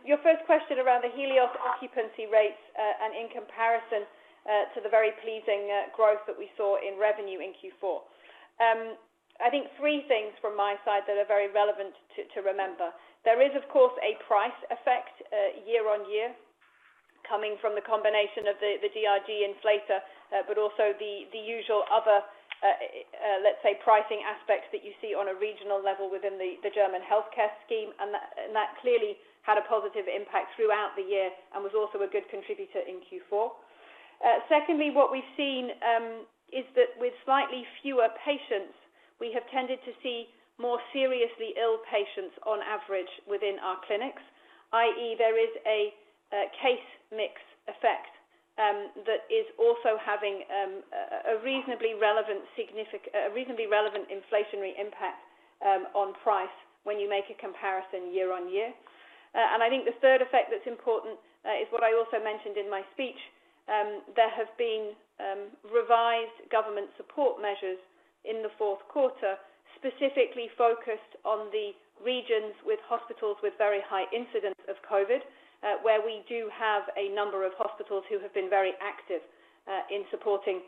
Your first question around the Helios occupancy rates, and in comparison to the very pleasing growth that we saw in revenue in Q4. I think three things from my side that are very relevant to remember. There is, of course, a price effect year-over-year coming from the combination of the DRG inflator but also the usual other, let's say, pricing aspects that you see on a regional level within the German healthcare scheme, and that clearly had a positive impact throughout the year and was also a good contributor in Q4. Secondly, what we've seen is that with slightly fewer patients, we have tended to see more seriously ill patients on average within our clinics, i.e., there is a case mix effect that is also having a reasonably relevant inflationary impact on price when you make a comparison year on year. I think the third effect that's important is what I also mentioned in my speech. There have been revised government support measures in the fourth quarter, specifically focused on the regions with hospitals with very high incidents of COVID, where we do have a number of hospitals who have been very active in supporting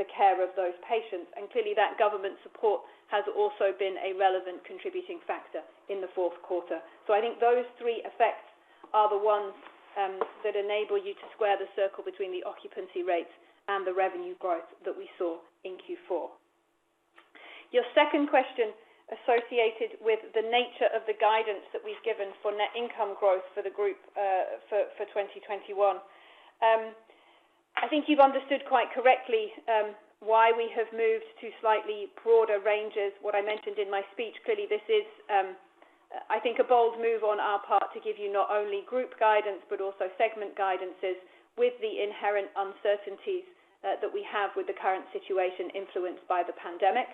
the care of those patients. Clearly that government support has also been a relevant contributing factor in the fourth quarter. I think those three effects are the ones that enable you to square the circle between the occupancy rates and the revenue growth that we saw in Q4. Your second question associated with the nature of the guidance that we've given for net income growth for the group for 2021. I think you've understood quite correctly why we have moved to slightly broader ranges. What I mentioned in my speech, clearly this is, I think, a bold move on our part to give you not only group guidance but also segment guidances with the inherent uncertainties that we have with the current situation influenced by the pandemic.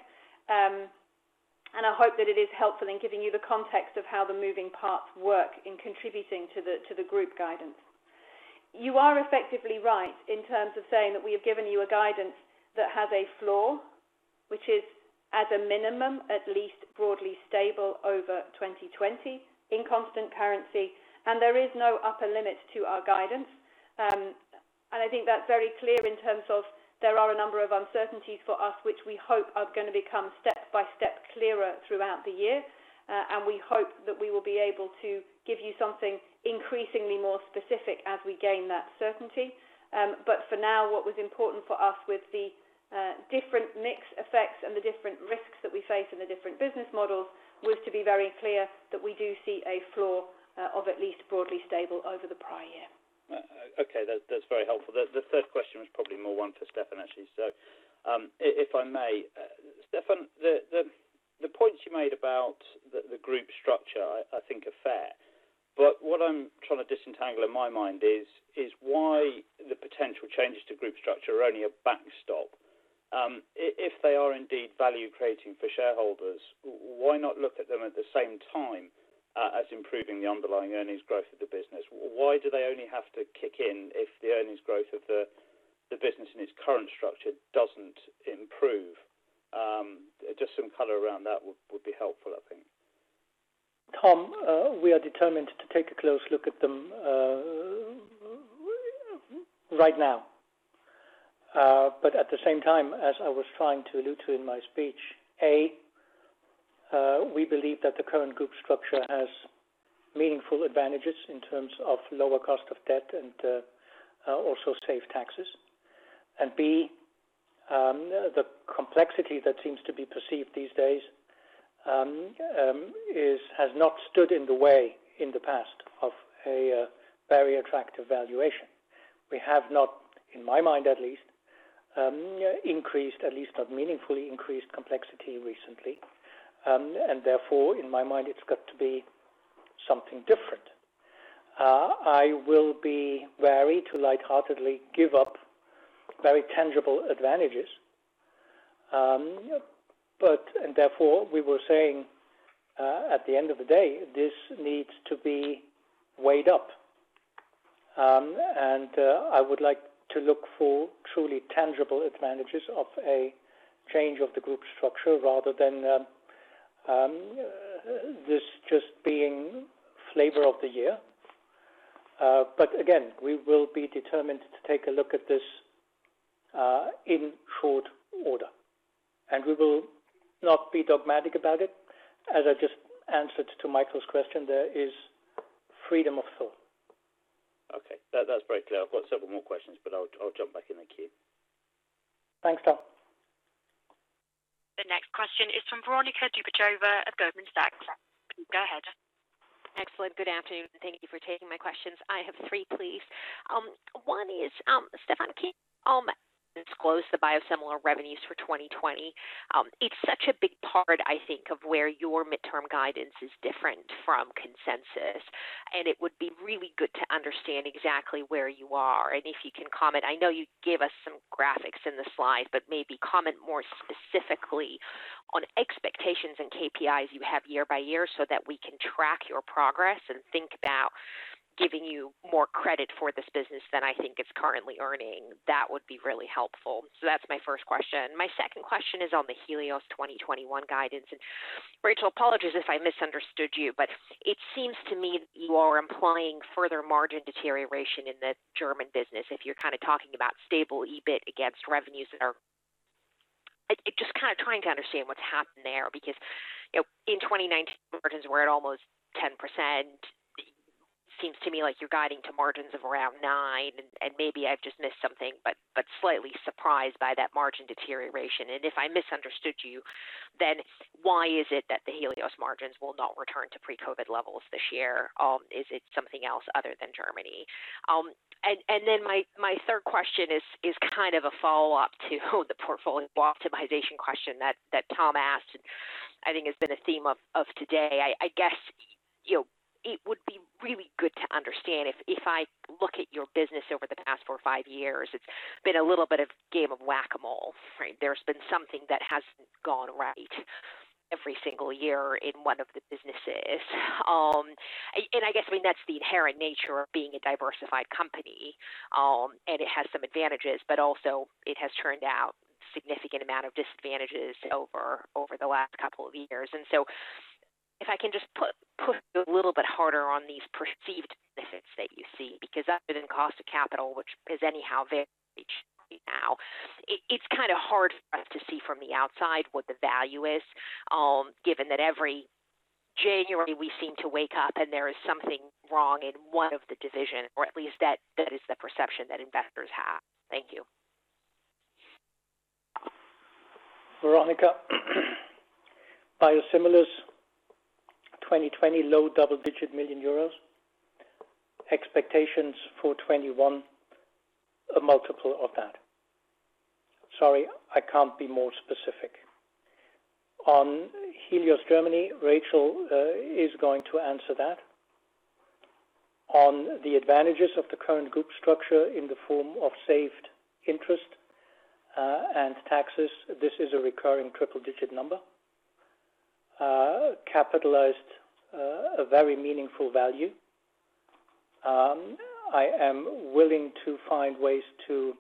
I hope that it is helpful in giving you the context of how the moving parts work in contributing to the group guidance. You are effectively right in terms of saying that we have given you a guidance that has a floor which is at a minimum at least broadly stable over 2020 in constant currency. There is no upper limit to our guidance. I think that's very clear in terms of there are a number of uncertainties for us which we hope are going to become step by step clearer throughout the year. We hope that we will be able to give you something increasingly more specific as we gain that certainty. For now, what was important for us with the different mix effects and the different risks that we face in the different business models was to be very clear that we do see a floor of at least broadly stable over the prior year. Okay. That's very helpful. The third question was probably more one for Stephan, actually. If I may. Stephan, the points you made about the group strategy, I think, are fair. What I'm trying to disentangle in my mind is why the potential changes to group structure are only a backstop. If they are indeed value-creating for shareholders, why not look at them at the same time as improving the underlying earnings growth of the business? Why do they only have to kick in if the earnings growth of the business in its current structure doesn't improve? Just some color around that would be helpful, I think. Tom, we are determined to take a close look at them right now. At the same time, as I was trying to allude to in my speech, A, we believe that the current group structure has meaningful advantages in terms of lower cost of debt and also saved taxes. B, the complexity that seems to be perceived these days has not stood in the way in the past of a very attractive valuation. We have not, in my mind at least, meaningfully increased complexity recently. Therefore, in my mind, it's got to be something different. I will be wary to lightheartedly give up very tangible advantages. Therefore, we were saying at the end of the day, this needs to be weighed up. I would like to look for truly tangible advantages of a change of the group structure rather than this just being flavor of the year. Again, we will be determined to take a look at this in short order. We will not be dogmatic about it. As I just answered to Michael's question, there is freedom of thought. Okay. That's very clear. I've got several more questions, but I'll jump back in the queue. Thanks, Tom. The next question is from Veronika Dubajova of Goldman Sachs. Go ahead. Excellent. Good afternoon. Thank you for taking my questions. I have three, please. One is, Stephan, can you disclose the biosimilar revenues for 2020? It's such a big part, I think, of where your midterm guidance is different from consensus, and it would be really good to understand exactly where you are and if you can comment. I know you gave us some graphics in the slides, but maybe comment more specifically on expectations and KPIs you have year by year so that we can track your progress and think about giving you more credit for this business than I think it's currently earning. That would be really helpful. That's my first question. My second question is on the Helios 2021 guidance. Rachel, apologies if I misunderstood you, but it seems to me you are implying further margin deterioration in the German business if you're talking about stable EBIT against revenues. Just trying to understand what's happened there, because in 2019, margins were at almost 10%. Seems to me like you're guiding to margins of around 9%, and maybe I've just missed something, but slightly surprised by that margin deterioration. If I misunderstood you, then why is it that the Helios margins will not return to pre-COVID levels this year? Is it something else other than Germany? Then my third question is kind of a follow-up to the portfolio optimization question that Tom asked and I think has been a theme of today. I guess it would be really good to understand if I look at your business over the past four or five years, it's been a little bit of game of Whac-A-Mole, right? There's been something that hasn't gone right every single year in one of the businesses. I guess that's the inherent nature of being a diversified company, and it has some advantages, but also it has turned out significant amount of disadvantages over the last couple of years. If I can just push a little bit harder on these perceived benefits that you see, because other than cost of capital, which is anyhow very cheap now, it is kind of hard for us to see from the outside what the value is, given that every January we seem to wake up and there is something wrong in one of the divisions, or at least that is the perception that investors have. Thank you. Veronika, biosimilars, 2020, low double-digit million EUR. Expectations for 2021, a multiple of that. Sorry, I can't be more specific. On Helios Germany, Rachel is going to answer that. On the advantages of the current group structure in the form of saved interest and taxes, this is a recurring triple-digit number. Capitalized a very meaningful value. I am willing to find ways to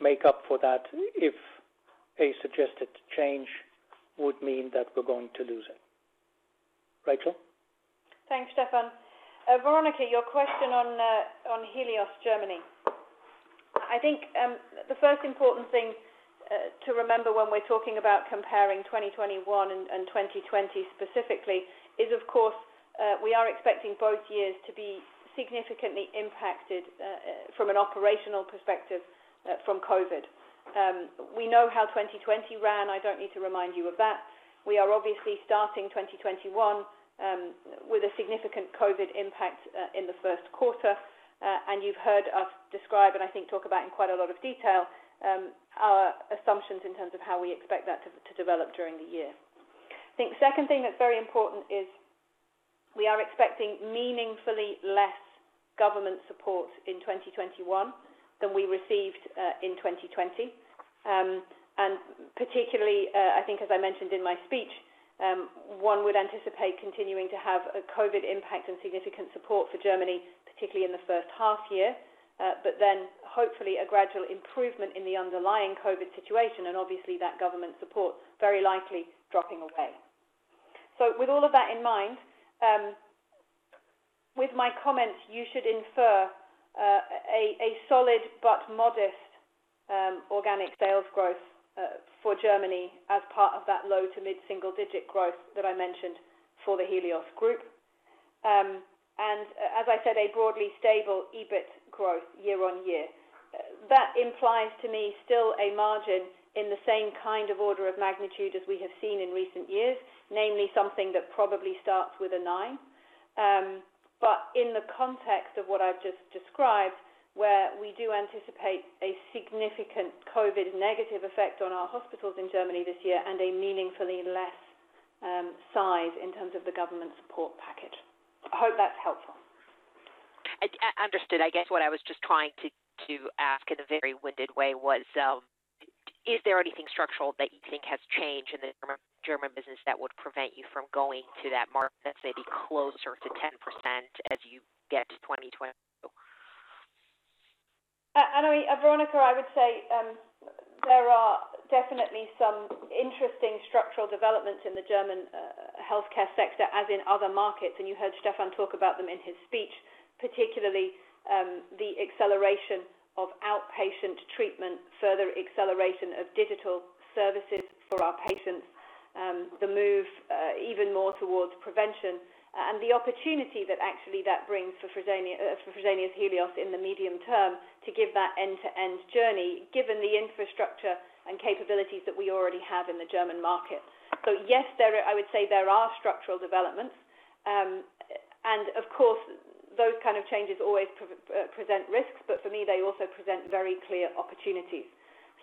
make up for that if a suggested change would mean that we're going to lose it. Rachel? Thanks, Stephan. Veronika, your question on Helios Germany. I think the first important thing to remember when we're talking about comparing 2021 and 2020 specifically is, of course, we are expecting both years to be significantly impacted from an operational perspective from COVID. We know how 2020 ran. I don't need to remind you of that. We are obviously starting 2021 with a significant COVID impact in the first quarter. You've heard us describe, and I think talk about in quite a lot of detail, our assumptions in terms of how we expect that to develop during the year. I think the second thing that's very important is. We are expecting meaningfully less government support in 2021 than we received in 2020. Particularly, I think as I mentioned in my speech, one would anticipate continuing to have a COVID impact and significant support for Germany, particularly in the first half-year. Hopefully a gradual improvement in the underlying COVID situation and obviously that government support very likely dropping away. With all of that in mind, with my comments, you should infer a solid but modest organic sales growth for Germany as part of that low to mid-single-digit growth that I mentioned for the Helios Group. As I said, a broadly stable EBIT growth year-on-year. That implies to me still a margin in the same kind of order of magnitude as we have seen in recent years, namely something that probably starts with a nine. In the context of what I've just described, where we do anticipate a significant COVID negative effect on our hospitals in Germany this year and a meaningfully less size in terms of the government support package. I hope that's helpful. Understood. I guess what I was just trying to ask in a very winded way was, is there anything structural that you think has changed in the German business that would prevent you from going to that mark, let's say, be closer to 10% as you get to 2022? Veronika, I would say there are definitely some interesting structural developments in the German healthcare sector, as in other markets. You heard Stephan talk about them in his speech, particularly the acceleration of outpatient treatment, further acceleration of digital services for our patients, the move even more towards prevention and the opportunity that actually that brings for Fresenius Helios in the medium term to give that end-to-end journey, given the infrastructure and capabilities that we already have in the German market. Yes, I would say there are structural developments. Of course, those kind of changes always present risks, but for me, they also present very clear opportunities.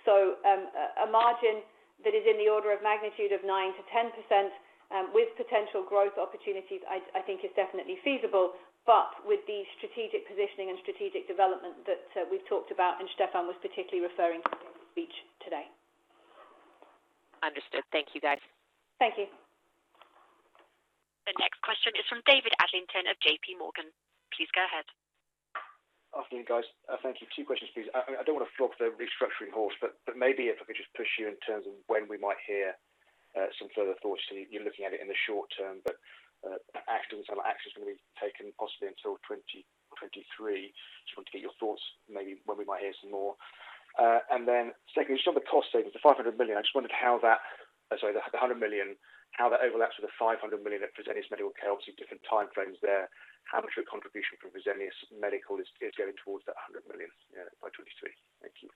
A margin that is in the order of magnitude of 9% to 10% with potential growth opportunities, I think is definitely feasible, but with the strategic positioning and strategic development that we've talked about, and Stephan was particularly referring to in his speech today. Understood. Thank you, guys. Thank you. The next question is from David Adlington of JPMorgan. Please go ahead. Afternoon, guys. Thank you. Two questions, please. I don't want to flog the restructuring horse. Maybe if I could just push you in terms of when we might hear some further thoughts. You're looking at it in the short term. Actions going to be taken possibly until 2023. Just want to get your thoughts, maybe when we might hear some more. Secondly, just on the cost savings, the 500 million, I just wondered how that, sorry, the 100 million, how that overlaps with the 500 million at Fresenius Medical Care. Obviously, different time frames there. How much of a contribution from Fresenius Medical is going towards that 100 million by 2023? Thank you.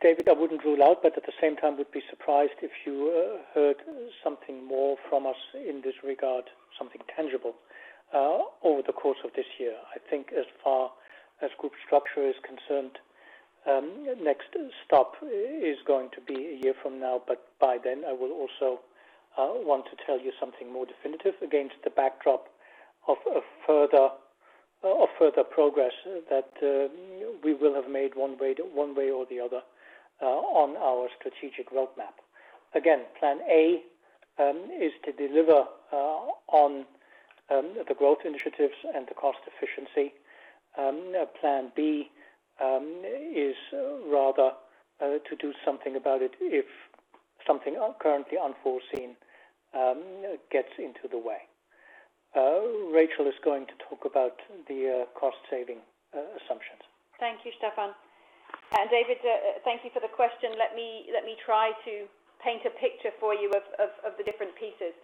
David, I wouldn't rule out, but at the same time, would be surprised if you heard something more from us in this regard, something tangible over the course of this year. I think as far as group structure is concerned, next stop is going to be a year from now, but by then I will also want to tell you something more definitive against the backdrop of further progress that we will have made one way or the other on our strategic roadmap. Again, plan A is to deliver on the growth initiatives and the cost efficiency. Plan B is rather to do something about it if something currently unforeseen gets into the way. Rachel is going to talk about the cost saving assumptions. Thank you, Stephan. And David, thank you for the question. Let me try to paint a picture for you of the different pieces.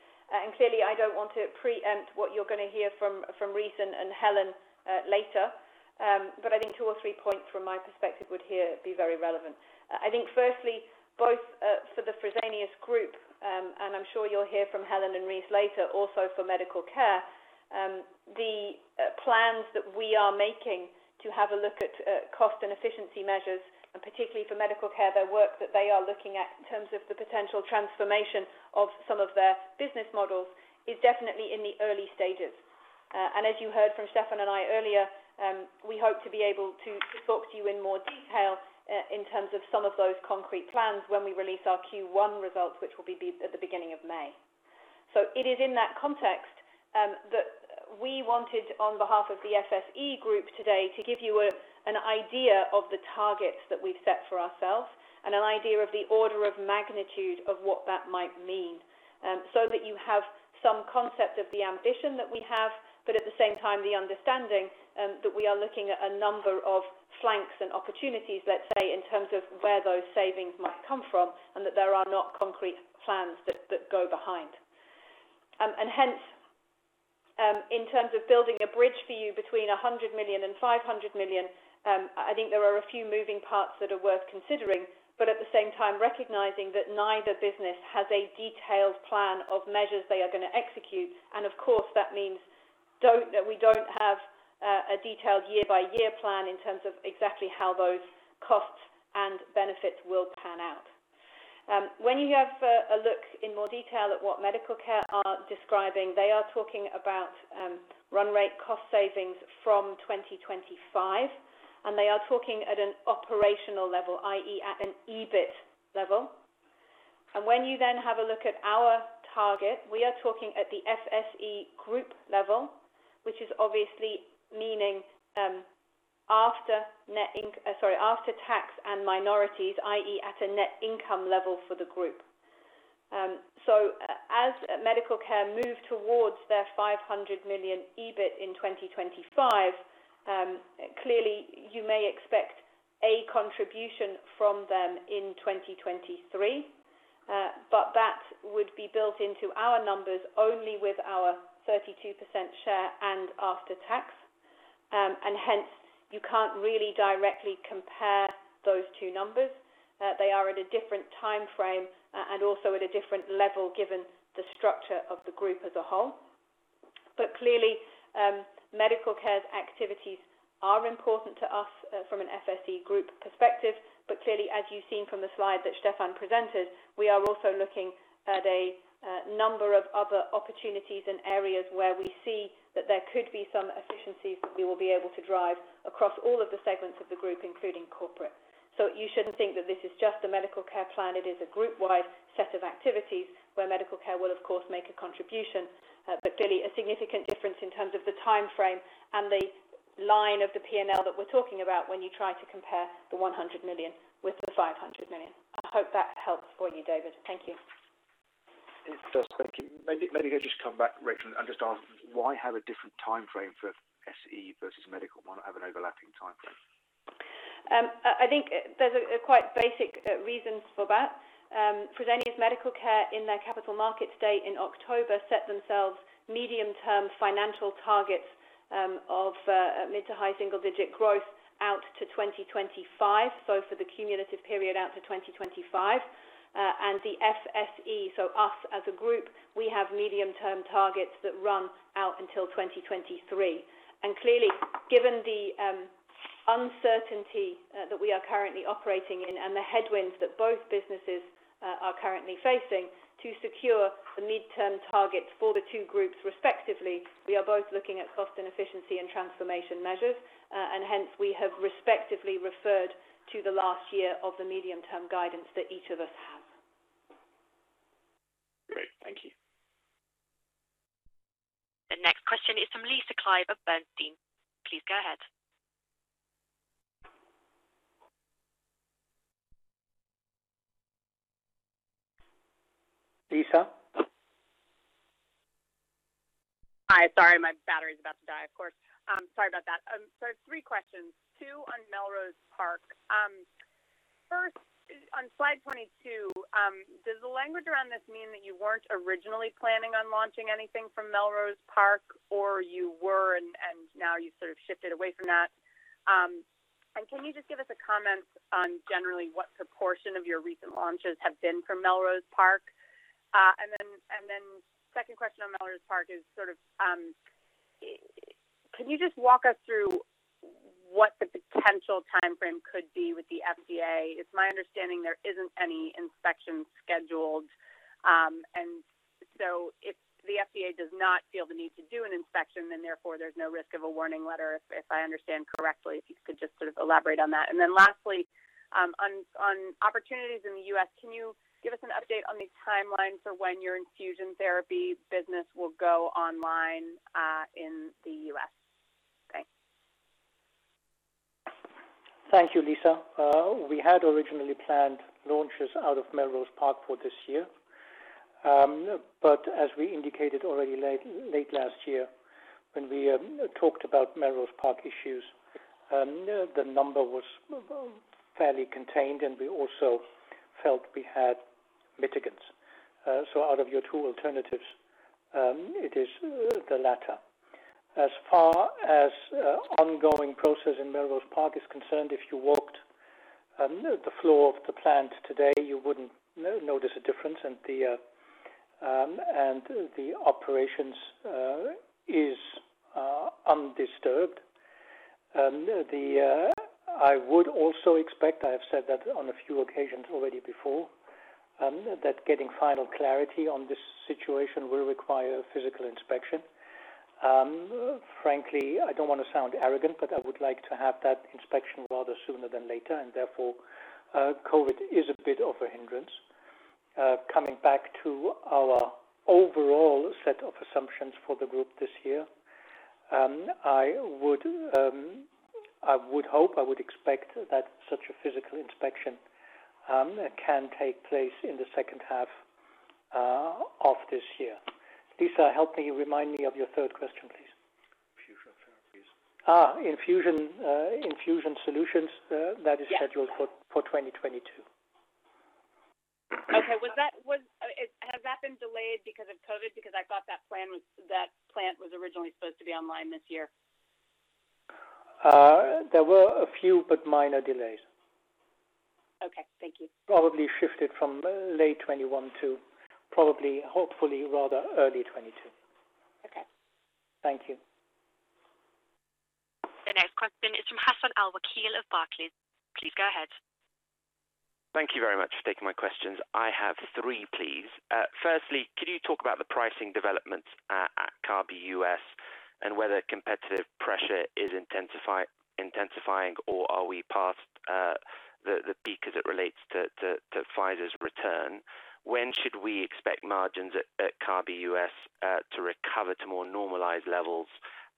Clearly I don't want to preempt what you're going to hear from Rice and Helen later. I think two or three points from my perspective would here be very relevant. I think firstly, both for the Fresenius Group, and I'm sure you'll hear from Helen and Rice later also for Medical Care, the plans that we are making to have a look at cost and efficiency measures, and particularly for Medical Care, the work that they are looking at in terms of the potential transformation of some of their business models is definitely in the early stages. As you heard from Stephan and I earlier, we hope to be able to talk to you in more detail in terms of some of those concrete plans when we release our Q1 results, which will be at the beginning of May. It is in that context that we wanted, on behalf of the FSE group today, to give you an idea of the targets that we've set for ourselves and an idea of the order of magnitude of what that might mean, so that you have some concept of the ambition that we have, but at the same time, the understanding that we are looking at a number of flanks and opportunities, let's say, in terms of where those savings might come from, and that there are not concrete plans that go behind. Hence, in terms of building a bridge for you between 100 million and 500 million, I think there are a few moving parts that are worth considering, but at the same time recognizing that neither business has a detailed plan of measures they are going to execute. Of course, that means we don't have a detailed year-by-year plan in terms of exactly how those costs and benefits will pan out. When you have a look in more detail at what Medical Care are describing, they are talking about run rate cost savings from 2025, and they are talking at an operational level, i.e., at an EBIT level. When you then have a look at our target, we are talking at the FSE group level, which is obviously meaning after tax and minorities, i.e., at a net income level for the group. As Medical Care move towards their 500 million EBIT in 2025, clearly you may expect a contribution from them in 2023. That would be built into our numbers only with our 32% share and after tax. Hence, you can't really directly compare those two numbers. They are at a different time frame and also at a different level given the structure of the group as a whole. Clearly, Medical Care's activities are important to us from an FSE Group perspective. Clearly, as you've seen from the slide that Stephan presented, we are also looking at a number of other opportunities and areas where we see that there could be some efficiencies that we will be able to drive across all of the segments of the group, including corporate. You shouldn't think that this is just a Medical Care plan. It is a group-wide set of activities where Medical Care will, of course, make a contribution. Clearly, a significant difference in terms of the time frame and the line of the P&L that we're talking about when you try to compare the 100 million with the 500 million. I hope that helps for you, David. Thank you. It does. Thank you. I just come back, Rachel, and just ask why have a different time frame for FSE versus Medical? Why not have an overlapping time frame? I think there's a quite basic reason for that. Fresenius Medical Care in their Capital Markets Day in October set themselves medium-term financial targets of mid to high single-digit growth out to 2025, both for the cumulative period out to 2025. The FSE, so us as a group, we have medium-term targets that run out until 2023. Clearly, given the uncertainty that we are currently operating in and the headwinds that both businesses are currently facing to secure the mid-term targets for the two groups respectively, we are both looking at cost and efficiency and transformation measures. Hence, we have respectively referred to the last year of the medium-term guidance that each of us have. Great. Thank you. The next question is from Lisa Clive of Bernstein. Please go ahead. Lisa? Hi. Sorry, my battery's about to die, of course. Sorry about that. Three questions, two on Melrose Park. First, on slide 22, does the language around this mean that you weren't originally planning on launching anything from Melrose Park, or you were and now you've sort of shifted away from that? Can you just give us a comment on generally what proportion of your recent launches have been from Melrose Park? Second question on Melrose Park is can you just walk us through what the potential time frame could be with the FDA? It's my understanding there isn't any inspection scheduled. If the FDA does not feel the need to do an inspection, then therefore there's no risk of a warning letter, if I understand correctly. If you could just sort of elaborate on that. Lastly, on opportunities in the U.S., can you give us an update on the timeline for when your infusion therapy business will go online in the U.S.? Thanks. Thank you, Lisa. We had originally planned launches out of Melrose Park for this year. As we indicated already late last year when we talked about Melrose Park issues, the number was fairly contained, and we also felt we had mitigants. Out of your two alternatives, it is the latter. As far as ongoing process in Melrose Park is concerned, if you walked the floor of the plant today, you wouldn't notice a difference, and the operations is undisturbed. I would also expect, I have said that on a few occasions already before, that getting final clarity on this situation will require physical inspection. Frankly, I don't want to sound arrogant, but I would like to have that inspection rather sooner than later. Therefore, COVID is a bit of a hindrance. Coming back to our overall set of assumptions for the group this year, I would hope, I would expect that such a physical inspection can take place in the second half of this year. Lisa, help me, remind me of your third question, please. Infusion therapies. Infusion solutions. Yes. That is scheduled for 2022. Okay. Has that been delayed because of COVID? Because I thought that plant was originally supposed to be online this year. There were a few but minor delays. Okay, thank you. Probably shifted from late 2021 to probably, hopefully, rather early 2022. Okay. Thank you. The next question is from Hassan Al-Wakeel of Barclays. Please go ahead. Thank you very much for taking my questions. I have three, please. Firstly, could you talk about the pricing developments at Kabi U.S. and whether competitive pressure is intensifying, or are we past the peak as it relates to Pfizer's return? When should we expect margins at Kabi U.S. to recover to more normalized levels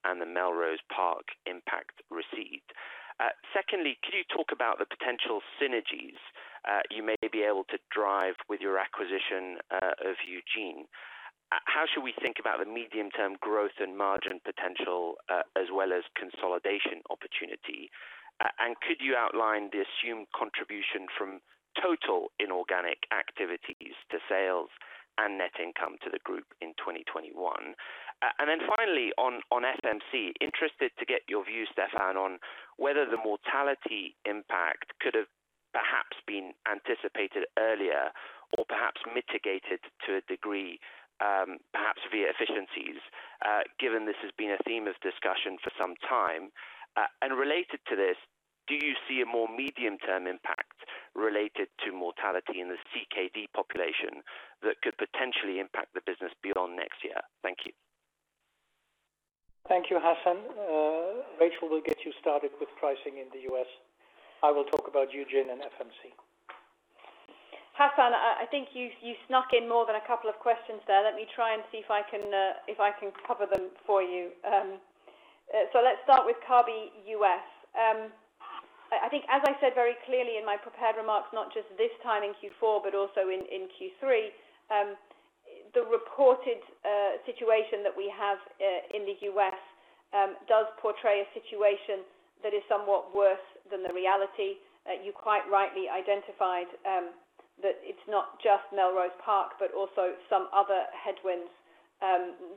and the Melrose Park impact recede? Secondly, could you talk about the potential synergies you may be able to drive with your acquisition of Eugin? How should we think about the medium-term growth and margin potential, as well as consolidation opportunity? Could you outline the assumed contribution from total inorganic activities to sales and net income to the group in 2021? Finally, on FMC, interested to get your view, Stephan, on whether the mortality impact could have perhaps been anticipated earlier or perhaps mitigated to a degree, perhaps via efficiencies, given this has been a theme of discussion for some time. Related to this, do you see a more medium-term impact related to mortality in the CKD population that could potentially impact the business beyond next year? Thank you. Thank you, Hassan. Rachel will get you started with pricing in the U.S. I will talk about Eugin and FMC. Hassan, I think you snuck in more than a couple of questions there. Let me try and see if I can cover them for you. Let's start with Kabi U.S. I think, as I said very clearly in my prepared remarks, not just this time in Q4, but also in Q3, the reported situation that we have in the U.S. does portray a situation that is somewhat worse than the reality. You quite rightly identified that it's not just Melrose Park, but also some other headwinds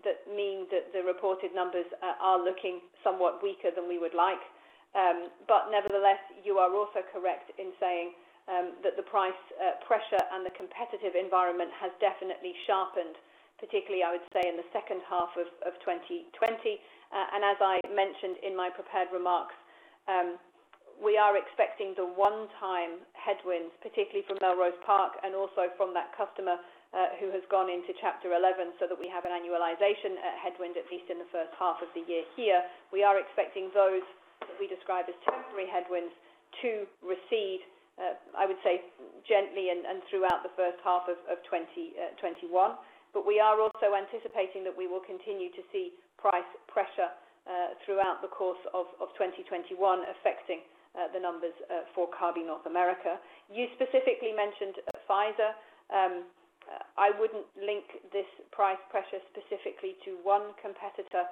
that mean that the reported numbers are looking somewhat weaker than we would like. Nevertheless, you are also correct in saying that the price pressure and the competitive environment has definitely sharpened, particularly, I would say, in the second half of 2020. As I mentioned in my prepared remarks, we are expecting the one-time headwinds, particularly from Melrose Park and also from that customer who has gone into Chapter 11, so that we have an annualization headwind, at least in the first half of the year. Here, we are expecting those that we describe as temporary headwinds to recede, I would say, gently and throughout the first half of 2021. We are also anticipating that we will continue to see price pressure throughout the course of 2021 affecting the numbers for Kabi North America. You specifically mentioned Pfizer. I wouldn't link this price pressure specifically to one competitor,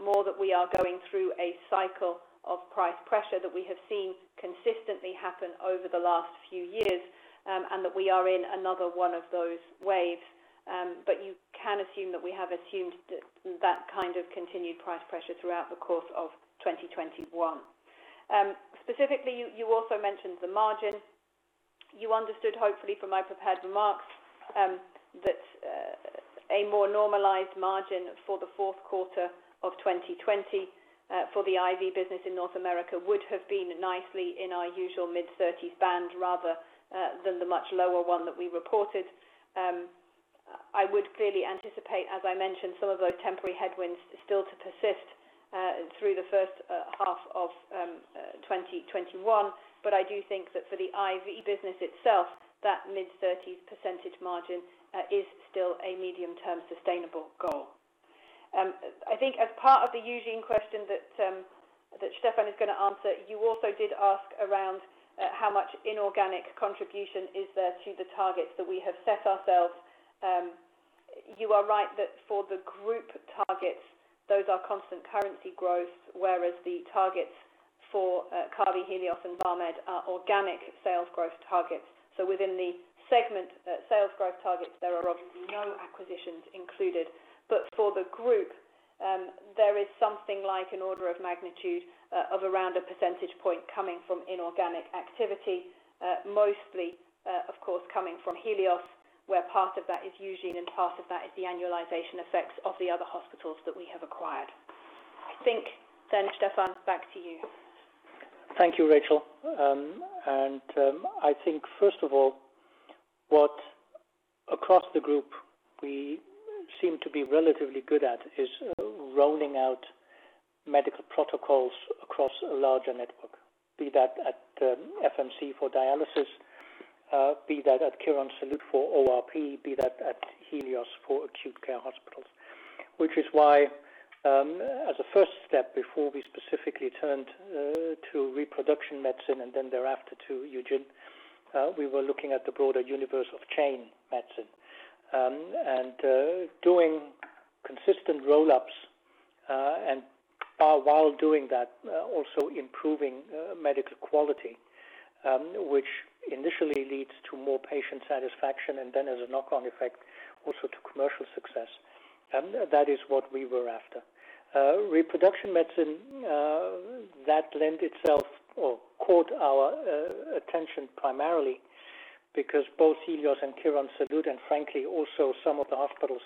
more that we are going through a cycle of price pressure that we have seen consistently happen over the last few years, and that we are in another one of those waves. You can assume that we have assumed that kind of continued price pressure throughout the course of 2021. Specifically, you also mentioned the margin. You understood, hopefully, from my prepared remarks that a more normalized margin for the fourth quarter of 2020 for the IV business in North America would have been nicely in our usual mid-30s band rather than the much lower one that we reported. I would clearly anticipate, as I mentioned, some of those temporary headwinds still to persist through the first half of 2021. I do think that for the IV business itself, that mid-30s % margin is still a medium-term sustainable goal. I think as part of the Eugin question that Stephan is going to answer, you also did ask around how much inorganic contribution is there to the targets that we have set ourselves. You are right that for the group targets, those are constant currency growth, whereas the targets for Kabi, Helios, and Vamed are organic sales growth targets. Within the segment sales growth targets, there are obviously no acquisitions included. For the group, there is something like an order of magnitude of around a percentage point coming from inorganic activity. Mostly, of course, coming from Helios, where part of that is Eugin, and part of that is the annualization effects of the other hospitals that we have acquired. Stephan, back to you. Thank you, Rachel. I think, first of all, what across the group we seem to be relatively good at is rolling out medical protocols across a larger network. Be that at FMC for dialysis, be that at Quirónsalud for ORP, be that at Helios for acute care hospitals. Which is why, as a first step before we specifically turned to reproduction medicine and then thereafter to Eugin, we were looking at the broader universe of chain medicine. Doing consistent roll-ups and while doing that, also improving medical quality, which initially leads to more patient satisfaction, and then as a knock-on effect, also to commercial success. That is what we were after. Reproduction medicine, that lent itself or caught our attention primarily because both Helios and Quirónsalud, and frankly, also some of the hospitals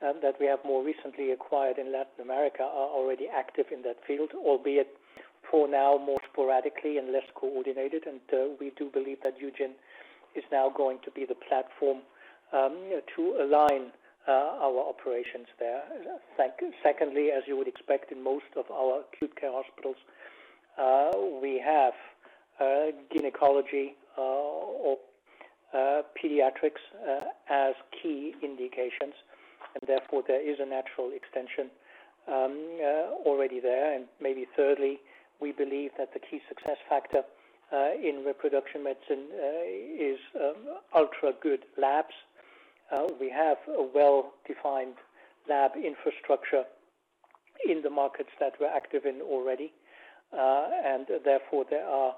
that we have more recently acquired in Latin America are already active in that field, albeit for now, more sporadically and less coordinated. We do believe that Eugin is now going to be the platform to align our operations there. Secondly, as you would expect in most of our acute care hospitals, we have gynecology or pediatrics as key indications, and therefore there is a natural extension already there. Maybe thirdly, we believe that the key success factor in reproduction medicine is ultra good labs. We have a well-defined lab infrastructure in the markets that we're active in already. Therefore, there are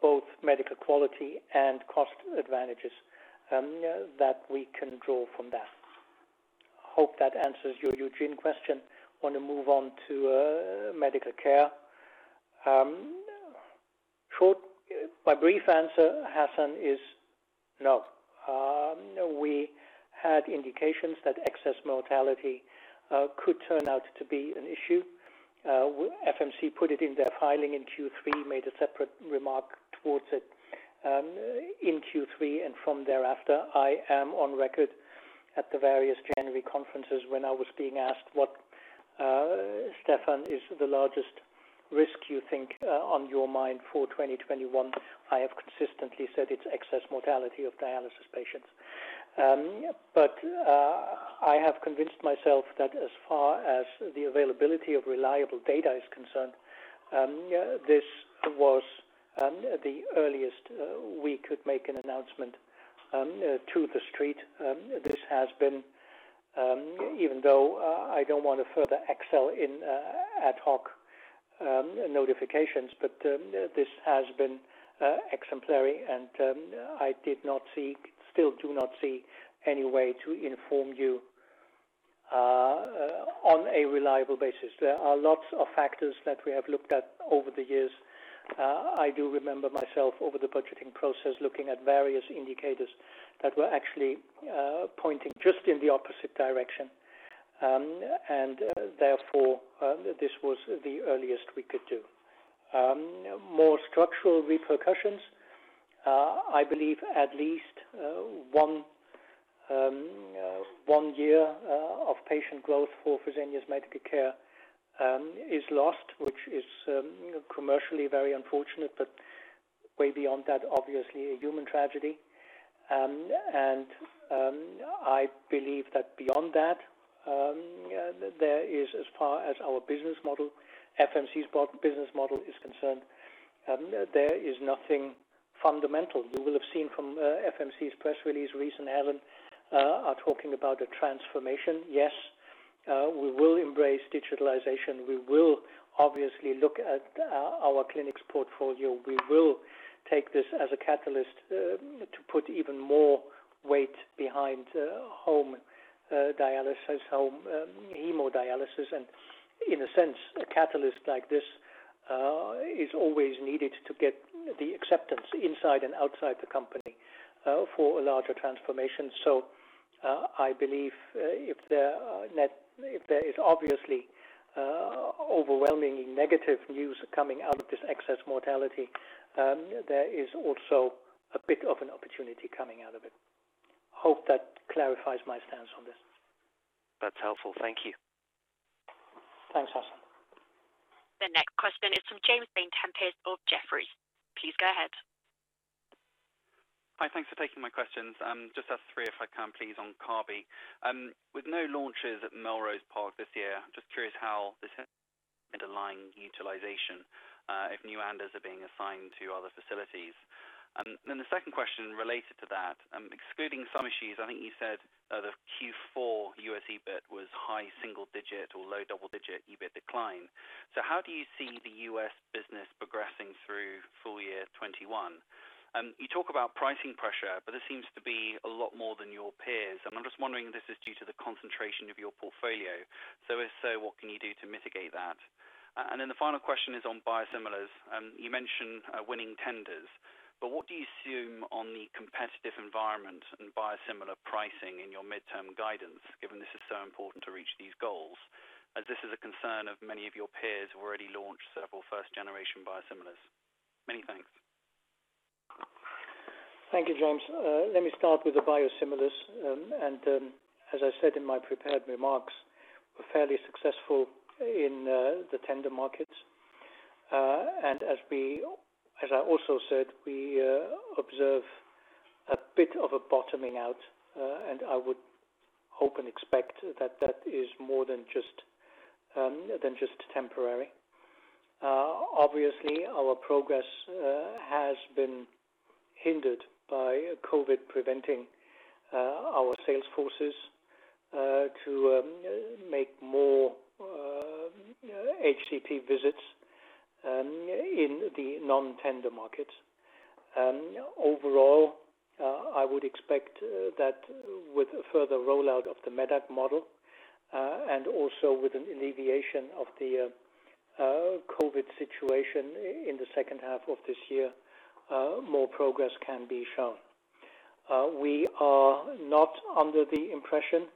both medical quality and cost advantages that we can draw from that. Hope that answers your Eugin question. Want to move on to Medical Care. My brief answer, Hassan, is no. We had indications that excess mortality could turn out to be an issue. FMC put it in their filing in Q3, made a separate remark towards it in Q3 and from thereafter. I am on record at the various January conferences when I was being asked what, Stephan, is the largest risk you think on your mind for 2021? I have consistently said it's excess mortality of dialysis patients. I have convinced myself that as far as the availability of reliable data is concerned, this was the earliest we could make an announcement to the street. Even though I don't want to further excel in ad hoc notifications, but this has been exemplary and I still do not see any way to inform you on a reliable basis. There are lots of factors that we have looked at over the years. I do remember myself over the budgeting process looking at various indicators that were actually pointing just in the opposite direction. Therefore, this was the earliest we could do. More structural repercussions, I believe at least one year of patient growth for Fresenius Medical Care is lost, which is commercially very unfortunate, but way beyond that, obviously a human tragedy. I believe that beyond that, there is as far as our business model, FMC's business model is concerned, there is nothing fundamental. You will have seen from FMC's press release, Rice and Helen are talking about a transformation. Yes, we will embrace digitalization. We will obviously look at our clinics portfolio. We will take this as a catalyst to put even more weight behind home dialysis, home hemodialysis. In a sense, a catalyst like this is always needed to get the acceptance inside and outside the company for a larger transformation. I believe if there is obviously overwhelmingly negative news coming out of this excess mortality, there is also a bit of an opportunity coming out of it. Hope that clarifies my stance on this. That's helpful. Thank you. Thanks, Hassan. The next question is from James Vane-Tempest of Jefferies. Please go ahead. Hi. Thanks for taking my questions. Just ask three, if I can please, on Kabi. With no launches at Melrose Park this year, I am just curious how this underlying utilization if new ANDAs are being assigned to other facilities. Then the second question related to that, excluding some issues, I think you said the Q4 USD EBIT was high single digit or low double-digit EBIT decline. How do you see the U.S. business progressing through full year 2021? This seems to be a lot more than your peers. I am just wondering if this is due to the concentration of your portfolio. If so, what can you do to mitigate that? Then the final question is on biosimilars. What do you assume on the competitive environment and biosimilar pricing in your midterm guidance, given this is so important to reach these goals, as this is a concern of many of your peers who already launched several first-generation biosimilars? Many thanks. Thank you, James. Let me start with the biosimilars. As I said in my prepared remarks, we're fairly successful in the tender markets. As I also said, we observe a bit of a bottoming out and I would hope and expect that that is more than just temporary. Obviously, our progress has been hindered by COVID preventing our sales forces to make more HCP visits in the non-tender markets. Overall, I would expect that with further rollout of the medac model, and also with an alleviation of the COVID situation in the second half of this year, more progress can be shown. We are not under the impression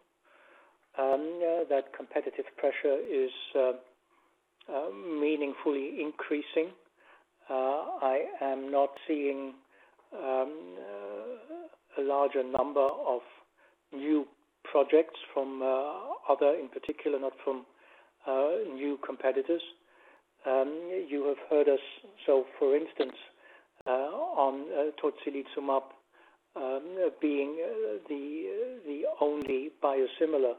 that competitive pressure is meaningfully increasing. I am not seeing a larger number of new projects from other, in particular, not from new competitors. You have heard us, so for instance, on tocilizumab being the only biosimilar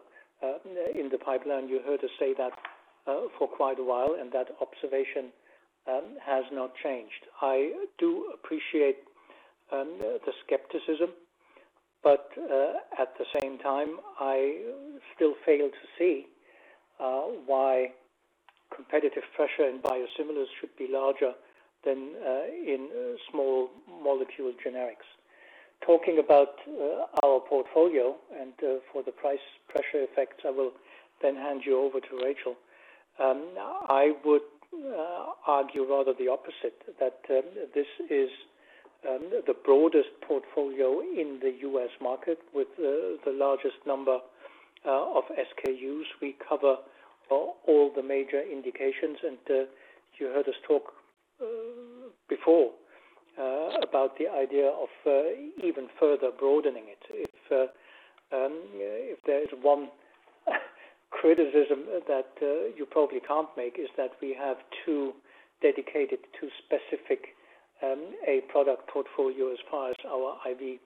in the pipeline. You heard us say that for quite a while, and that observation has not changed. I do appreciate the skepticism, but at the same time, I still fail to see why competitive pressure in biosimilars should be larger than in small molecule generics. Talking about our portfolio and for the price pressure effects, I will then hand you over to Rachel. I would argue rather the opposite, that this is the broadest portfolio in the U.S. market with the largest number of SKUs. We cover all the major indications, and you heard us talk before about the idea of even further broadening it. If there is one criticism that you probably can't make is that we have too dedicated to specific a product portfolio as far as our IV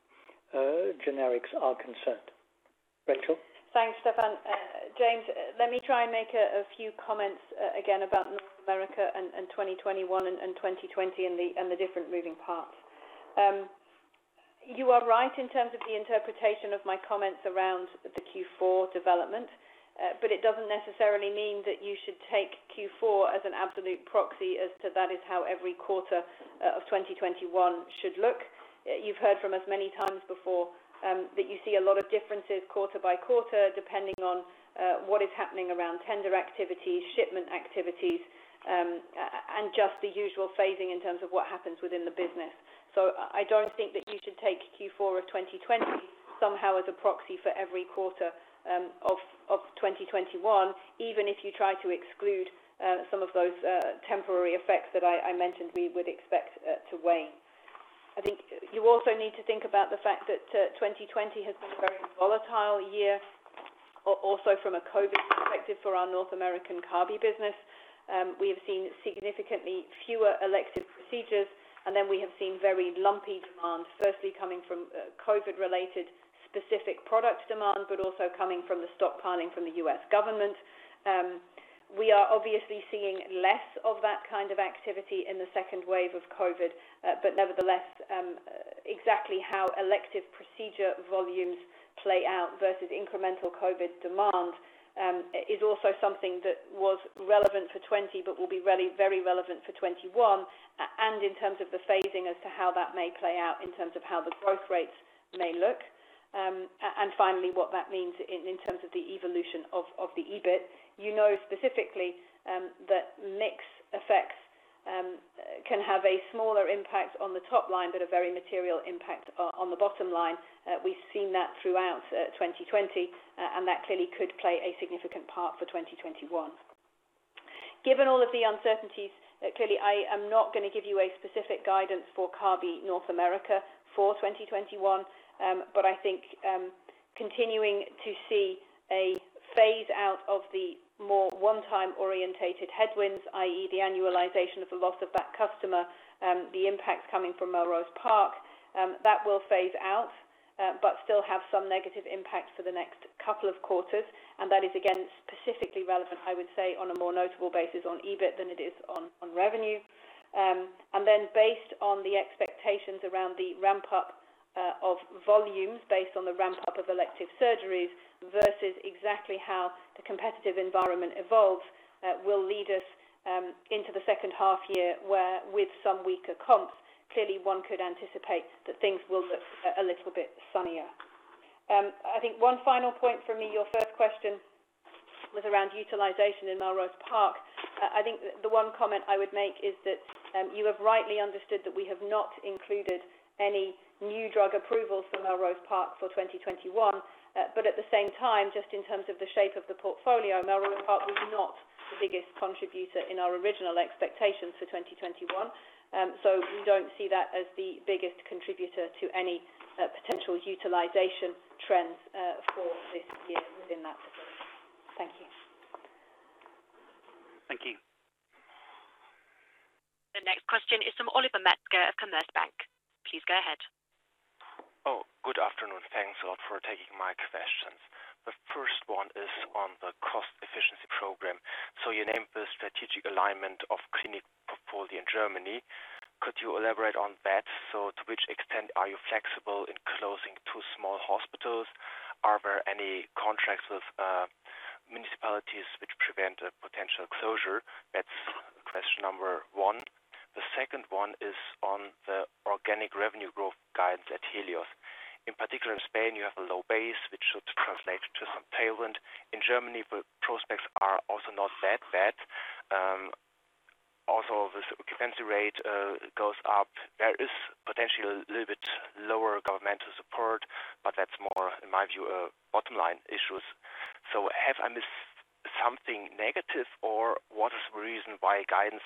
generics are concerned. Rachel? Thanks, Stephan. James, let me try and make a few comments again about North America and 2021 and 2020 and the different moving parts. You are right in terms of the interpretation of my comments around the Q4 development. It doesn't necessarily mean that you should take Q4 as an absolute proxy as to that is how every quarter of 2021 should look. You've heard from us many times before that you see a lot of differences quarter by quarter, depending on what is happening around tender activities, shipment activities, and just the usual phasing in terms of what happens within the business. I don't think that you should take Q4 of 2020 somehow as a proxy for every quarter of 2021, even if you try to exclude some of those temporary effects that I mentioned we would expect to wane. I think you also need to think about the fact that 2020 has been a very volatile year, also from a COVID perspective for our North American Kabi business. We have seen significantly fewer elective procedures, and then we have seen very lumpy demand, firstly coming from COVID-related specific product demand, but also coming from the stockpiling from the U.S. government. We are obviously seeing less of that kind of activity in the second wave of COVID. Nevertheless, exactly how elective procedure volumes play out versus incremental COVID demand is also something that was relevant for 2020, but will be very relevant for 2021. In terms of the phasing as to how that may play out in terms of how the growth rates may look. Finally, what that means in terms of the evolution of the EBIT. You know specifically that mix effects can have a smaller impact on the top line, but a very material impact on the bottom line. We've seen that throughout 2020, that clearly could play a significant part for 2021. Given all of the uncertainties, clearly I am not going to give you a specific guidance for Kabi North America for 2021. I think continuing to see a phase out of the more one-time oriented headwinds, i.e., the annualization of the loss of that customer, the impact coming from Melrose Park. That will phase out but still have some negative impact for the next couple of quarters. That is, again, specifically relevant, I would say, on a more notable basis on EBIT than it is on revenue. Based on the expectations around the ramp-up of volumes based on the ramp-up of elective surgeries versus exactly how the competitive environment evolves will lead us into the second half year, where with some weaker comps, clearly one could anticipate that things will look a little bit sunnier. I think one final point from me, your first question was around utilization in Melrose Park. I think the one comment I would make is that you have rightly understood that we have not included any new drug approvals for Melrose Park for 2021. At the same time, just in terms of the shape of the portfolio, Melrose Park was not the biggest contributor in our original expectations for 2021. We don't see that as the biggest contributor to any potential utilization trends for this year within that business. Thank you. Thank you. The next question is from Oliver Metzger of Commerzbank. Please go ahead Oh, good afternoon. Thanks a lot for taking my questions. The first one is on the cost efficiency program. You named the strategic alignment of clinic portfolio in Germany. Could you elaborate on that? To which extent are you flexible in closing two small hospitals? Are there any contracts with municipalities which prevent a potential closure? That's question number 1. The second one is on the organic revenue growth guidance at Helios. In particular in Spain, you have a low base, which should translate to some tailwind. In Germany, the prospects are also not that bad. The occupancy rate goes up. There is potentially a little bit lower governmental support, but that's more, in my view, a bottom-line issue. Have I missed something negative or what is the reason why guidance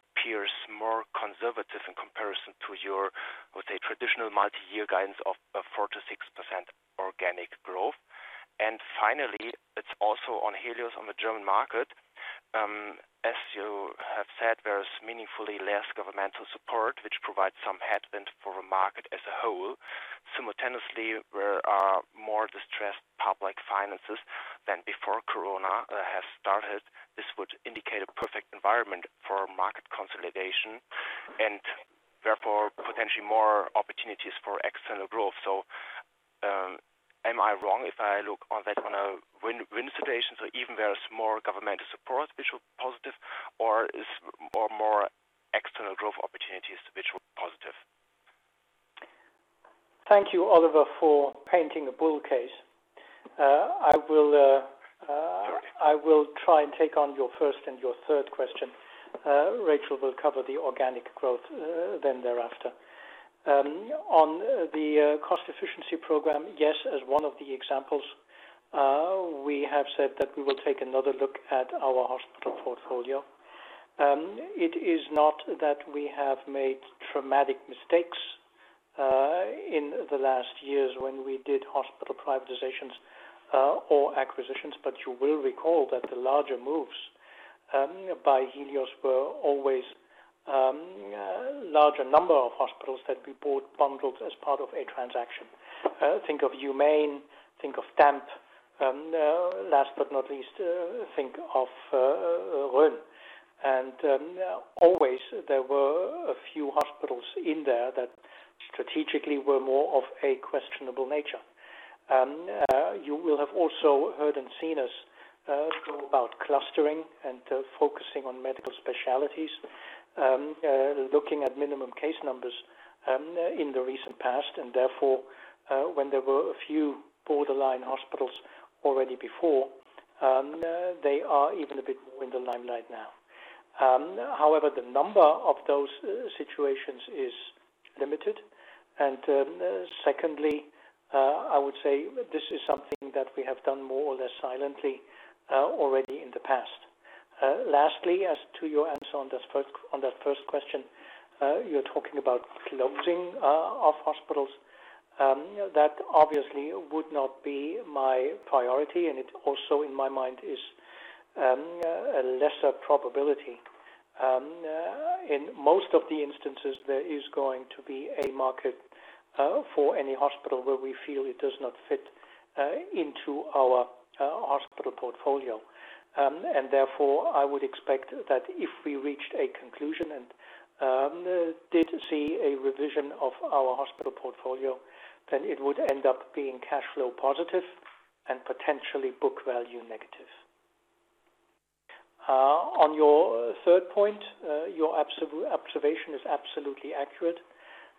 appears more conservative in comparison to your, I would say, traditional multi-year guidance of 4%-6% organic growth? Finally, it is also on Helios on the German market. As you have said, there is meaningfully less governmental support, which provides some headwind for the market as a whole. Simultaneously, there are more distressed public finances than before Corona has started. This would indicate a perfect environment for market consolidation and therefore potentially more opportunities for external growth. Am I wrong if I look on that on a win-win situation, even there is more governmental support, which is positive, or is more external growth opportunities, which is positive? Thank you, Oliver, for painting a bull case. I will try and take on your first and your third question. Rachel will cover the organic growth then thereafter. On the cost efficiency program, yes, as one of the examples, we have said that we will take another look at our hospital portfolio. It is not that we have made traumatic mistakes in the last years when we did hospital privatizations or acquisitions, but you will recall that the larger moves by Helios were always larger number of hospitals that we bought bundled as part of a transaction. Think of Humaine, think of Damp, and last but not least, think of Rhön. Always there were a few hospitals in there that strategically were more of a questionable nature. You will have also heard and seen us talk about clustering and focusing on medical specialties, looking at minimum case numbers in the recent past, and therefore, when there were a few borderline hospitals already before, they are even a bit more in the limelight now. However, the number of those situations is limited. Secondly, I would say this is something that we have done more or less silently already in the past. Lastly, as to your answer on that first question, you are talking about closing of hospitals. That obviously would not be my priority, and it also, in my mind, is a lesser probability. In most of the instances, there is going to be a market for any hospital where we feel it does not fit into our hospital portfolio. Therefore, I would expect that if we reached a conclusion and did see a revision of our hospital portfolio, then it would end up being cash flow positive and potentially book value negative. On your third point, your observation is absolutely accurate.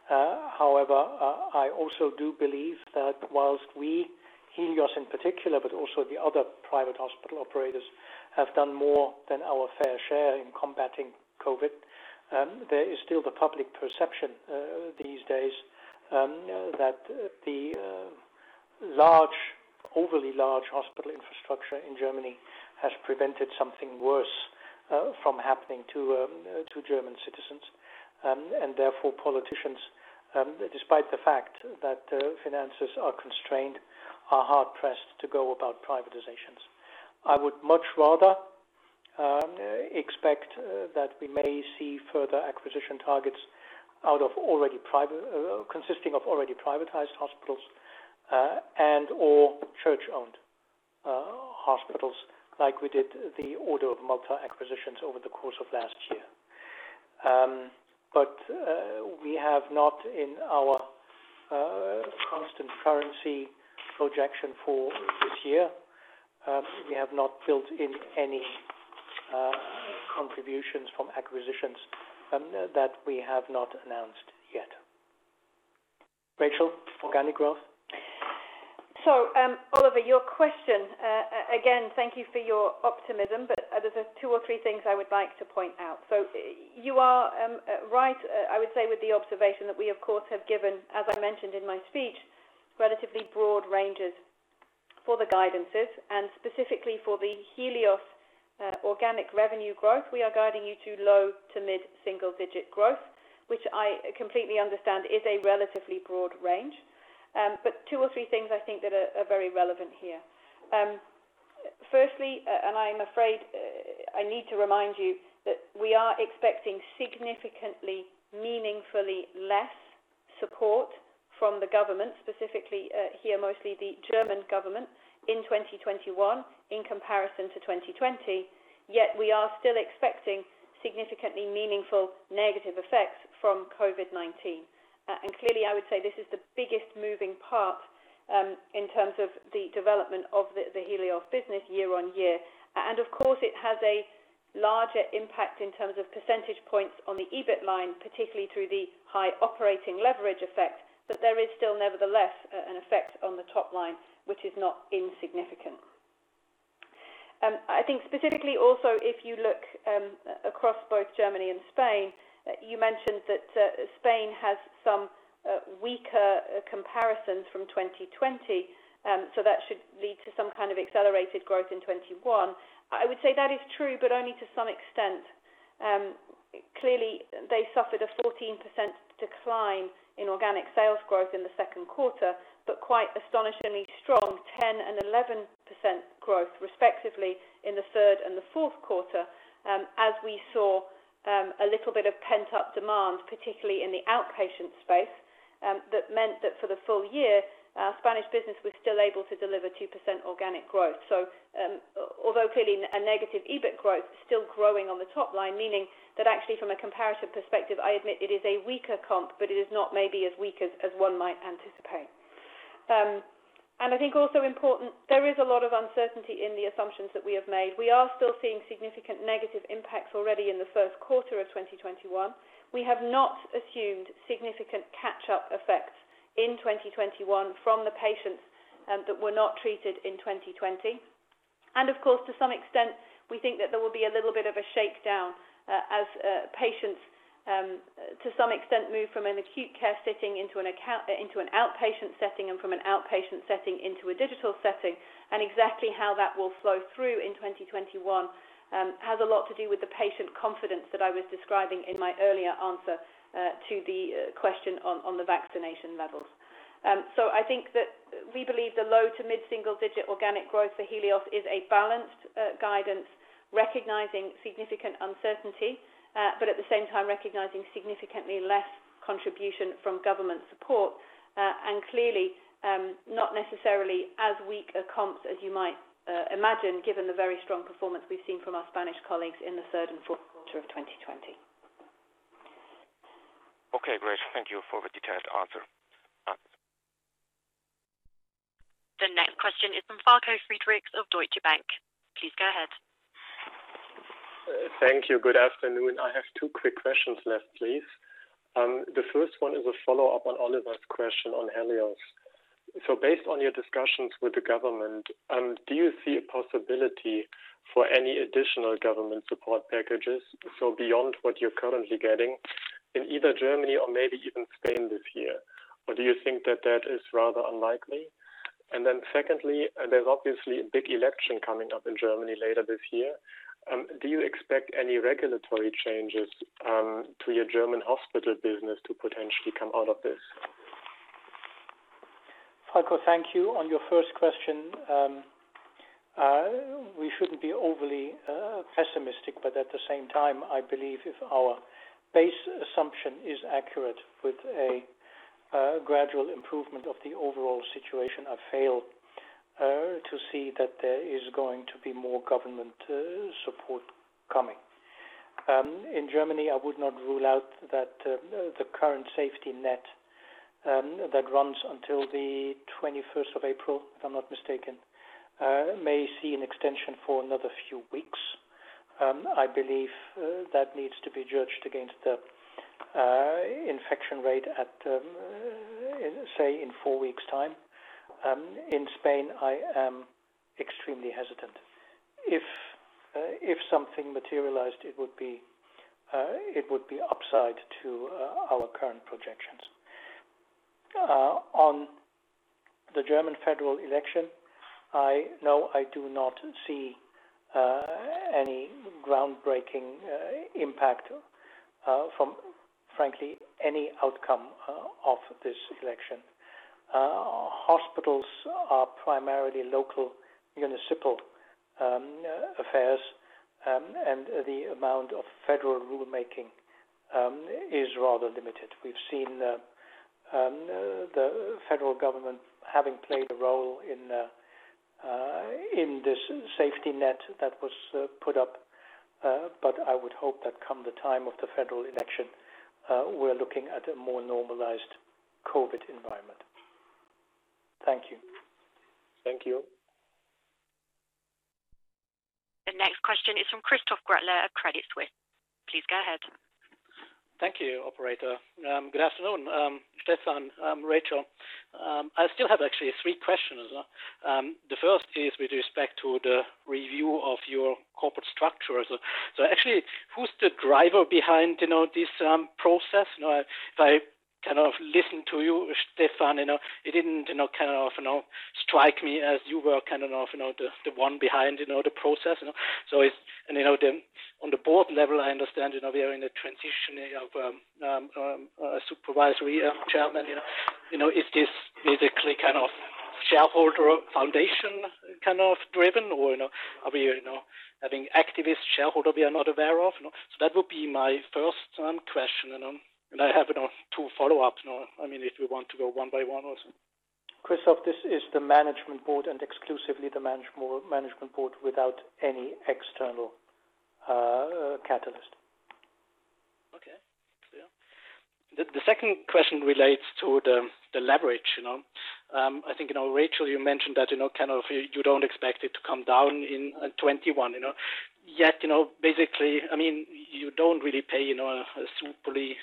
I also do believe that whilst we, Helios in particular, but also the other private hospital operators, have done more than our fair share in combating COVID. There is still the public perception these days that the overly large hospital infrastructure in Germany has prevented something worse from happening to German citizens. Therefore, politicians, despite the fact that finances are constrained, are hard pressed to go about privatizations. I would much rather expect that we may see further acquisition targets consisting of already privatized hospitals and or church-owned hospitals, like we did the Malteser acquisitions over the course of last year. We have not in our constant currency projection for this year. We have not built in any contributions from acquisitions that we have not announced yet. Rachel, organic growth. Oliver, your question, again, thank you for your optimism, but there's two or three things I would like to point out. You are right, I would say with the observation that we of course have given, as I mentioned in my speech, relatively broad ranges for the guidances, and specifically for the Helios organic revenue growth, we are guiding you to low to mid single digit growth, which I completely understand is a relatively broad range. Two or three things I think that are very relevant here. Firstly, I'm afraid I need to remind you that we are expecting significantly meaningfully less support from the government, specifically here, mostly the German government, in 2021 in comparison to 2020. We are still expecting significantly meaningful negative effects from COVID-19. Clearly, I would say this is the biggest moving part in terms of the development of the Helios business year-over-year. Of course, it has a larger impact in terms of percentage points on the EBIT line, particularly through the high operating leverage effect. There is still nevertheless an effect on the top line, which is not insignificant. Specifically also if you look across both Germany and Spain, you mentioned that Spain has some weaker comparisons from 2020, so that should lead to some kind of accelerated growth in 2021. I would say that is true, but only to some extent. Clearly, they suffered a 14% decline in organic sales growth in the second quarter, but quite astonishingly strong 10 and 11% growth, respectively, in the third and the fourth quarter, as we saw a little bit of pent-up demand, particularly in the outpatient space. That meant that for the full year, our Spanish business was still able to deliver 2% organic growth. Although clearly a negative EBIT growth, still growing on the top line, meaning that actually from a comparative perspective, I admit it is a weaker comp, but it is not maybe as weak as one might anticipate. I think also important, there is a lot of uncertainty in the assumptions that we have made. We are still seeing significant negative impacts already in the first quarter of 2021. We have not assumed significant catch-up effects in 2021 from the patients that were not treated in 2020. Of course, to some extent, we think that there will be a little bit of a shakedown as patients to some extent move from an acute care setting into an outpatient setting and from an outpatient setting into a digital setting. Exactly how that will flow through in 2021 has a lot to do with the patient confidence that I was describing in my earlier answer to the question on the vaccination levels. I think that we believe the low to mid single digit organic growth for Helios is a balanced guidance, recognizing significant uncertainty, but at the same time recognizing significantly less contribution from government support. Clearly, not necessarily as weak a comps as you might imagine given the very strong performance we've seen from our Spanish colleagues in the third and fourth quarter of 2020. Okay, great. Thank you for the detailed answer. The next question is from Falko Friedrichs of Deutsche Bank. Please go ahead. Thank you. Good afternoon. I have two quick questions left, please. The first one is a follow-up on Oliver's question on Helios. Based on your discussions with the government, do you see a possibility for any additional government support packages beyond what you're currently getting in either Germany or maybe even Spain this year? Do you think that that is rather unlikely? Secondly, there's obviously a big election coming up in Germany later this year. Do you expect any regulatory changes to your German hospital business to potentially come out of this? Falko, thank you. On your first question, we shouldn't be overly pessimistic, but at the same time, I believe if our base assumption is accurate with a gradual improvement of the overall situation, I fail to see that there is going to be more government support coming. In Germany, I would not rule out that the current safety net that runs until the 21st of April, if I'm not mistaken, may see an extension for another few weeks. I believe that needs to be judged against the infection rate at, say, in four weeks time. In Spain, I am extremely hesitant. If something materialized, it would be upside to our current projections. On the German federal election, no, I do not see any groundbreaking impact from, frankly, any outcome of this election. Hospitals are primarily local municipal affairs, and the amount of federal rulemaking is rather limited. We've seen the federal government having played a role in this safety net that was put up, I would hope that come the time of the federal election, we're looking at a more normalized COVID environment. Thank you. Thank you. The next question is from Christoph Gretler of Credit Suisse. Please go ahead. Thank you, operator. Good afternoon, Stephan, Rachel. I still have actually three questions. The first is with respect to the review of your corporate structure. Who's the driver behind this process? If I listened to you, Stephan, it didn't strike me as you were the one behind the process. On the board level, I understand we are in a transitioning of a supervisory chairman. Is this basically kind of shareholder foundation kind of driven, or are we having activist shareholder we are not aware of? That would be my first question. I have two follow-ups, if we want to go one by one also. Christoph, this is the management board and exclusively the management board without any external catalyst. Okay. Yeah. The second question relates to the leverage. I think, Rachel, you mentioned that you don't expect it to come down in 2021. Basically, you don't really pay a superly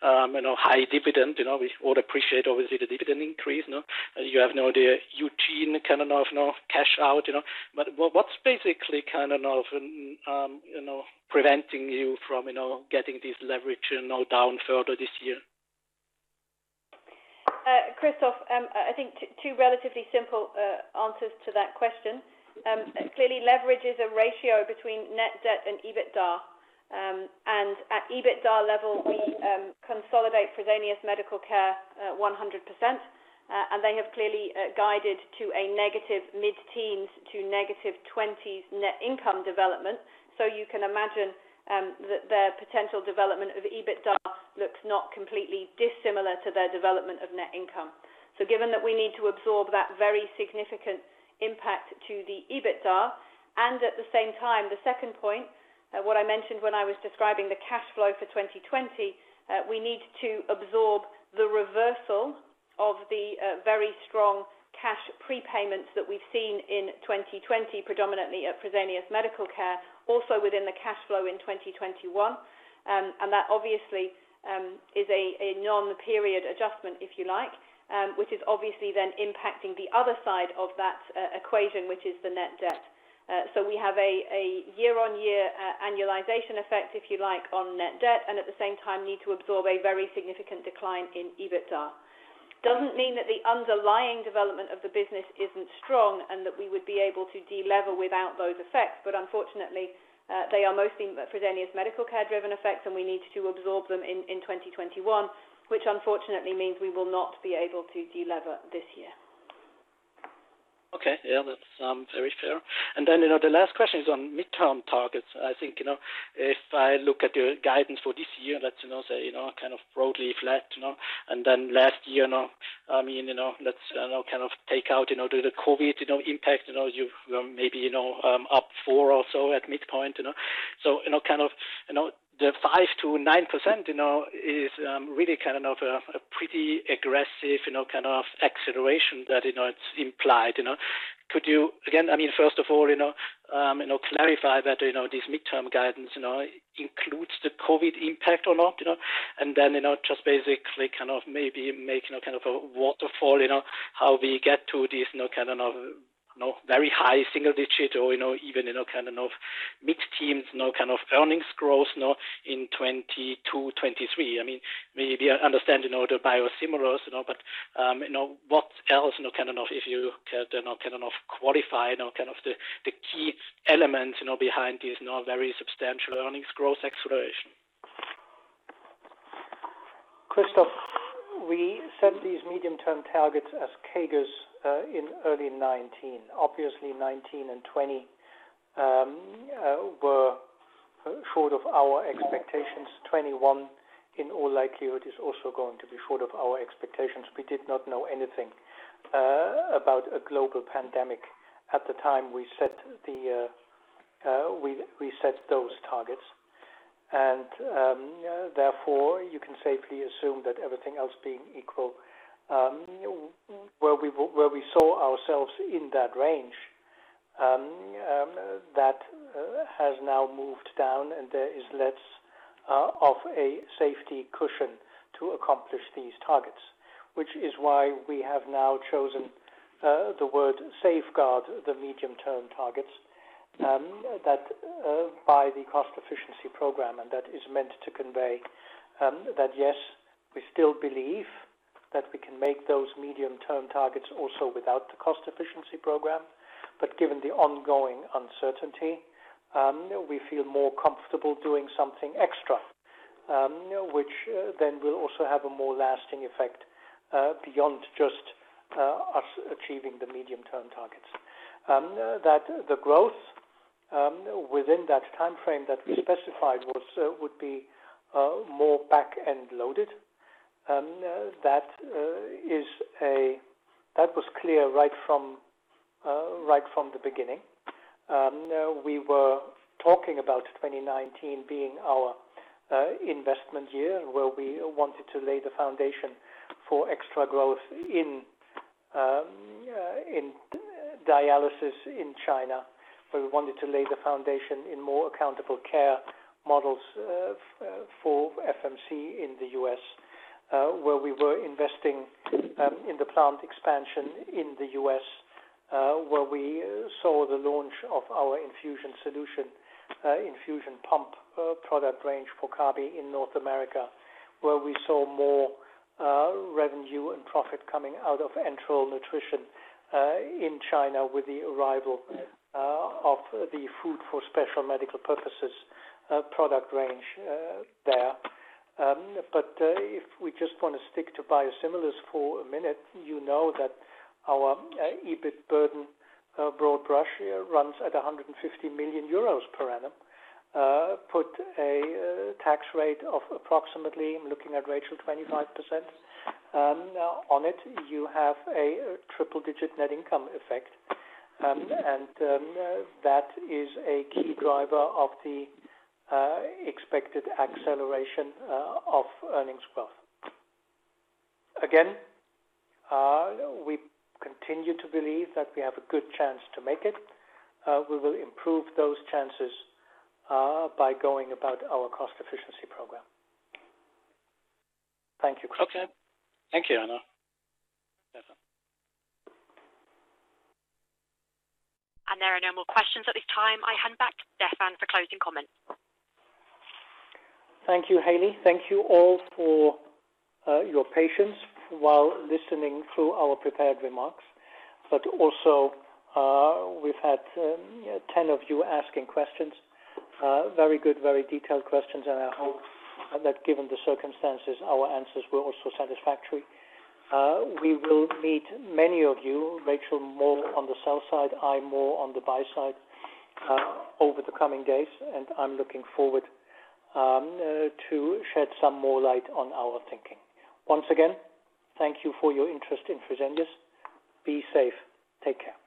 high dividend. We would appreciate, obviously, the dividend increase. You have now the Eugin cash out. What's basically preventing you from getting this leverage down further this year? Christoph, I think two relatively simple answers to that question. Clearly, leverage is a ratio between net debt and EBITDA. At EBITDA level, we consolidate Fresenius Medical Care 100%, and they have clearly guided to a negative mid-teens to - 20s net income development. You can imagine that their potential development of EBITDA looks not completely dissimilar to their development of net income. Given that we need to absorb that very significant impact to the EBITDA and at the same time, the second point, what I mentioned when I was describing the cash flow for 2020, we need to absorb the reversal of the very strong cash prepayments that we've seen in 2020, predominantly at Fresenius Medical Care, also within the cash flow in 2021. That obviously is a non-period adjustment, if you like, which is obviously then impacting the other side of that equation, which is the net debt. We have a year-on-year annualization effect, if you like, on net debt, and at the same time, need to absorb a very significant decline in EBITDA. Doesn't mean that the underlying development of the business isn't strong and that we would be able to de-lever without those effects. Unfortunately, they are mostly Fresenius Medical Care driven effects, and we need to absorb them in 2021, which unfortunately means we will not be able to de-lever this year. That's very fair. The last question is on midterm targets. If I look at your guidance for this year, broadly flat. Last year, let's take out the COVID impact. Maybe up four or so at midpoint. The 5%-9% is really an aggressive acceleration that it's implied. Could you, again, first of all, clarify that this midterm guidance includes the COVID impact or not? Make a waterfall how we get to this very high single digit or even mid-teens earnings growth in 2022, 2023. Maybe I understand the biosimilars, what else if you could qualify the key elements behind this very substantial earnings growth acceleration? Christoph, we set these medium-term targets as CAGRs in early 2019. Obviously, 2019 and 2020 were short of our expectations. 2021, in all likelihood, is also going to be short of our expectations. We did not know anything about a global pandemic at the time we set those targets. Therefore, you can safely assume that everything else being equal, where we saw ourselves in that range, that has now moved down and there is less of a safety cushion to accomplish these targets. Which is why we have now chosen the word "safeguard" the medium-term targets by the cost-efficiency program. That is meant to convey that, yes, we still believe that we can make those medium-term targets also without the cost-efficiency program. Given the ongoing uncertainty, we feel more comfortable doing something extra, which then will also have a more lasting effect beyond just us achieving the medium-term targets. That the growth within that time frame that we specified would be more back-end loaded. That was clear right from the beginning. We were talking about 2019 being our investment year, where we wanted to lay the foundation for extra growth in dialysis in China, where we wanted to lay the foundation in more accountable care models for FMC in the U.S., where we were investing in the plant expansion in the U.S., where we saw the launch of our infusion solution, infusion pump product range for Kabi in North America, where we saw more revenue and profit coming out of enteral nutrition in China with the arrival of the food for special medical purposes product range there. If we just want to stick to biosimilars for a minute, you know that our EBIT burden broad brush runs at 150 million euros per annum. Put a tax rate of approximately, I'm looking at Rachel, 25% on it. You have a triple-digit net income effect. That is a key driver of the expected acceleration of earnings growth. Again, we continue to believe that we have a good chance to make it. We will improve those chances by going about our cost-efficiency program. Thank you, Christoph. Okay. Thank you. Yeah. There are no more questions at this time. I hand back to Stephan for closing comments. Thank you, Haley. Thank you all for your patience while listening through our prepared remarks. Also, we've had 10 of you asking questions. Very good, very detailed questions, and I hope that given the circumstances, our answers were also satisfactory. We will meet many of you, Rachel more on the sell side, I more on the buy side, over the coming days, and I'm looking forward to shed some more light on our thinking. Once again, thank you for your interest in Fresenius. Be safe. Take care.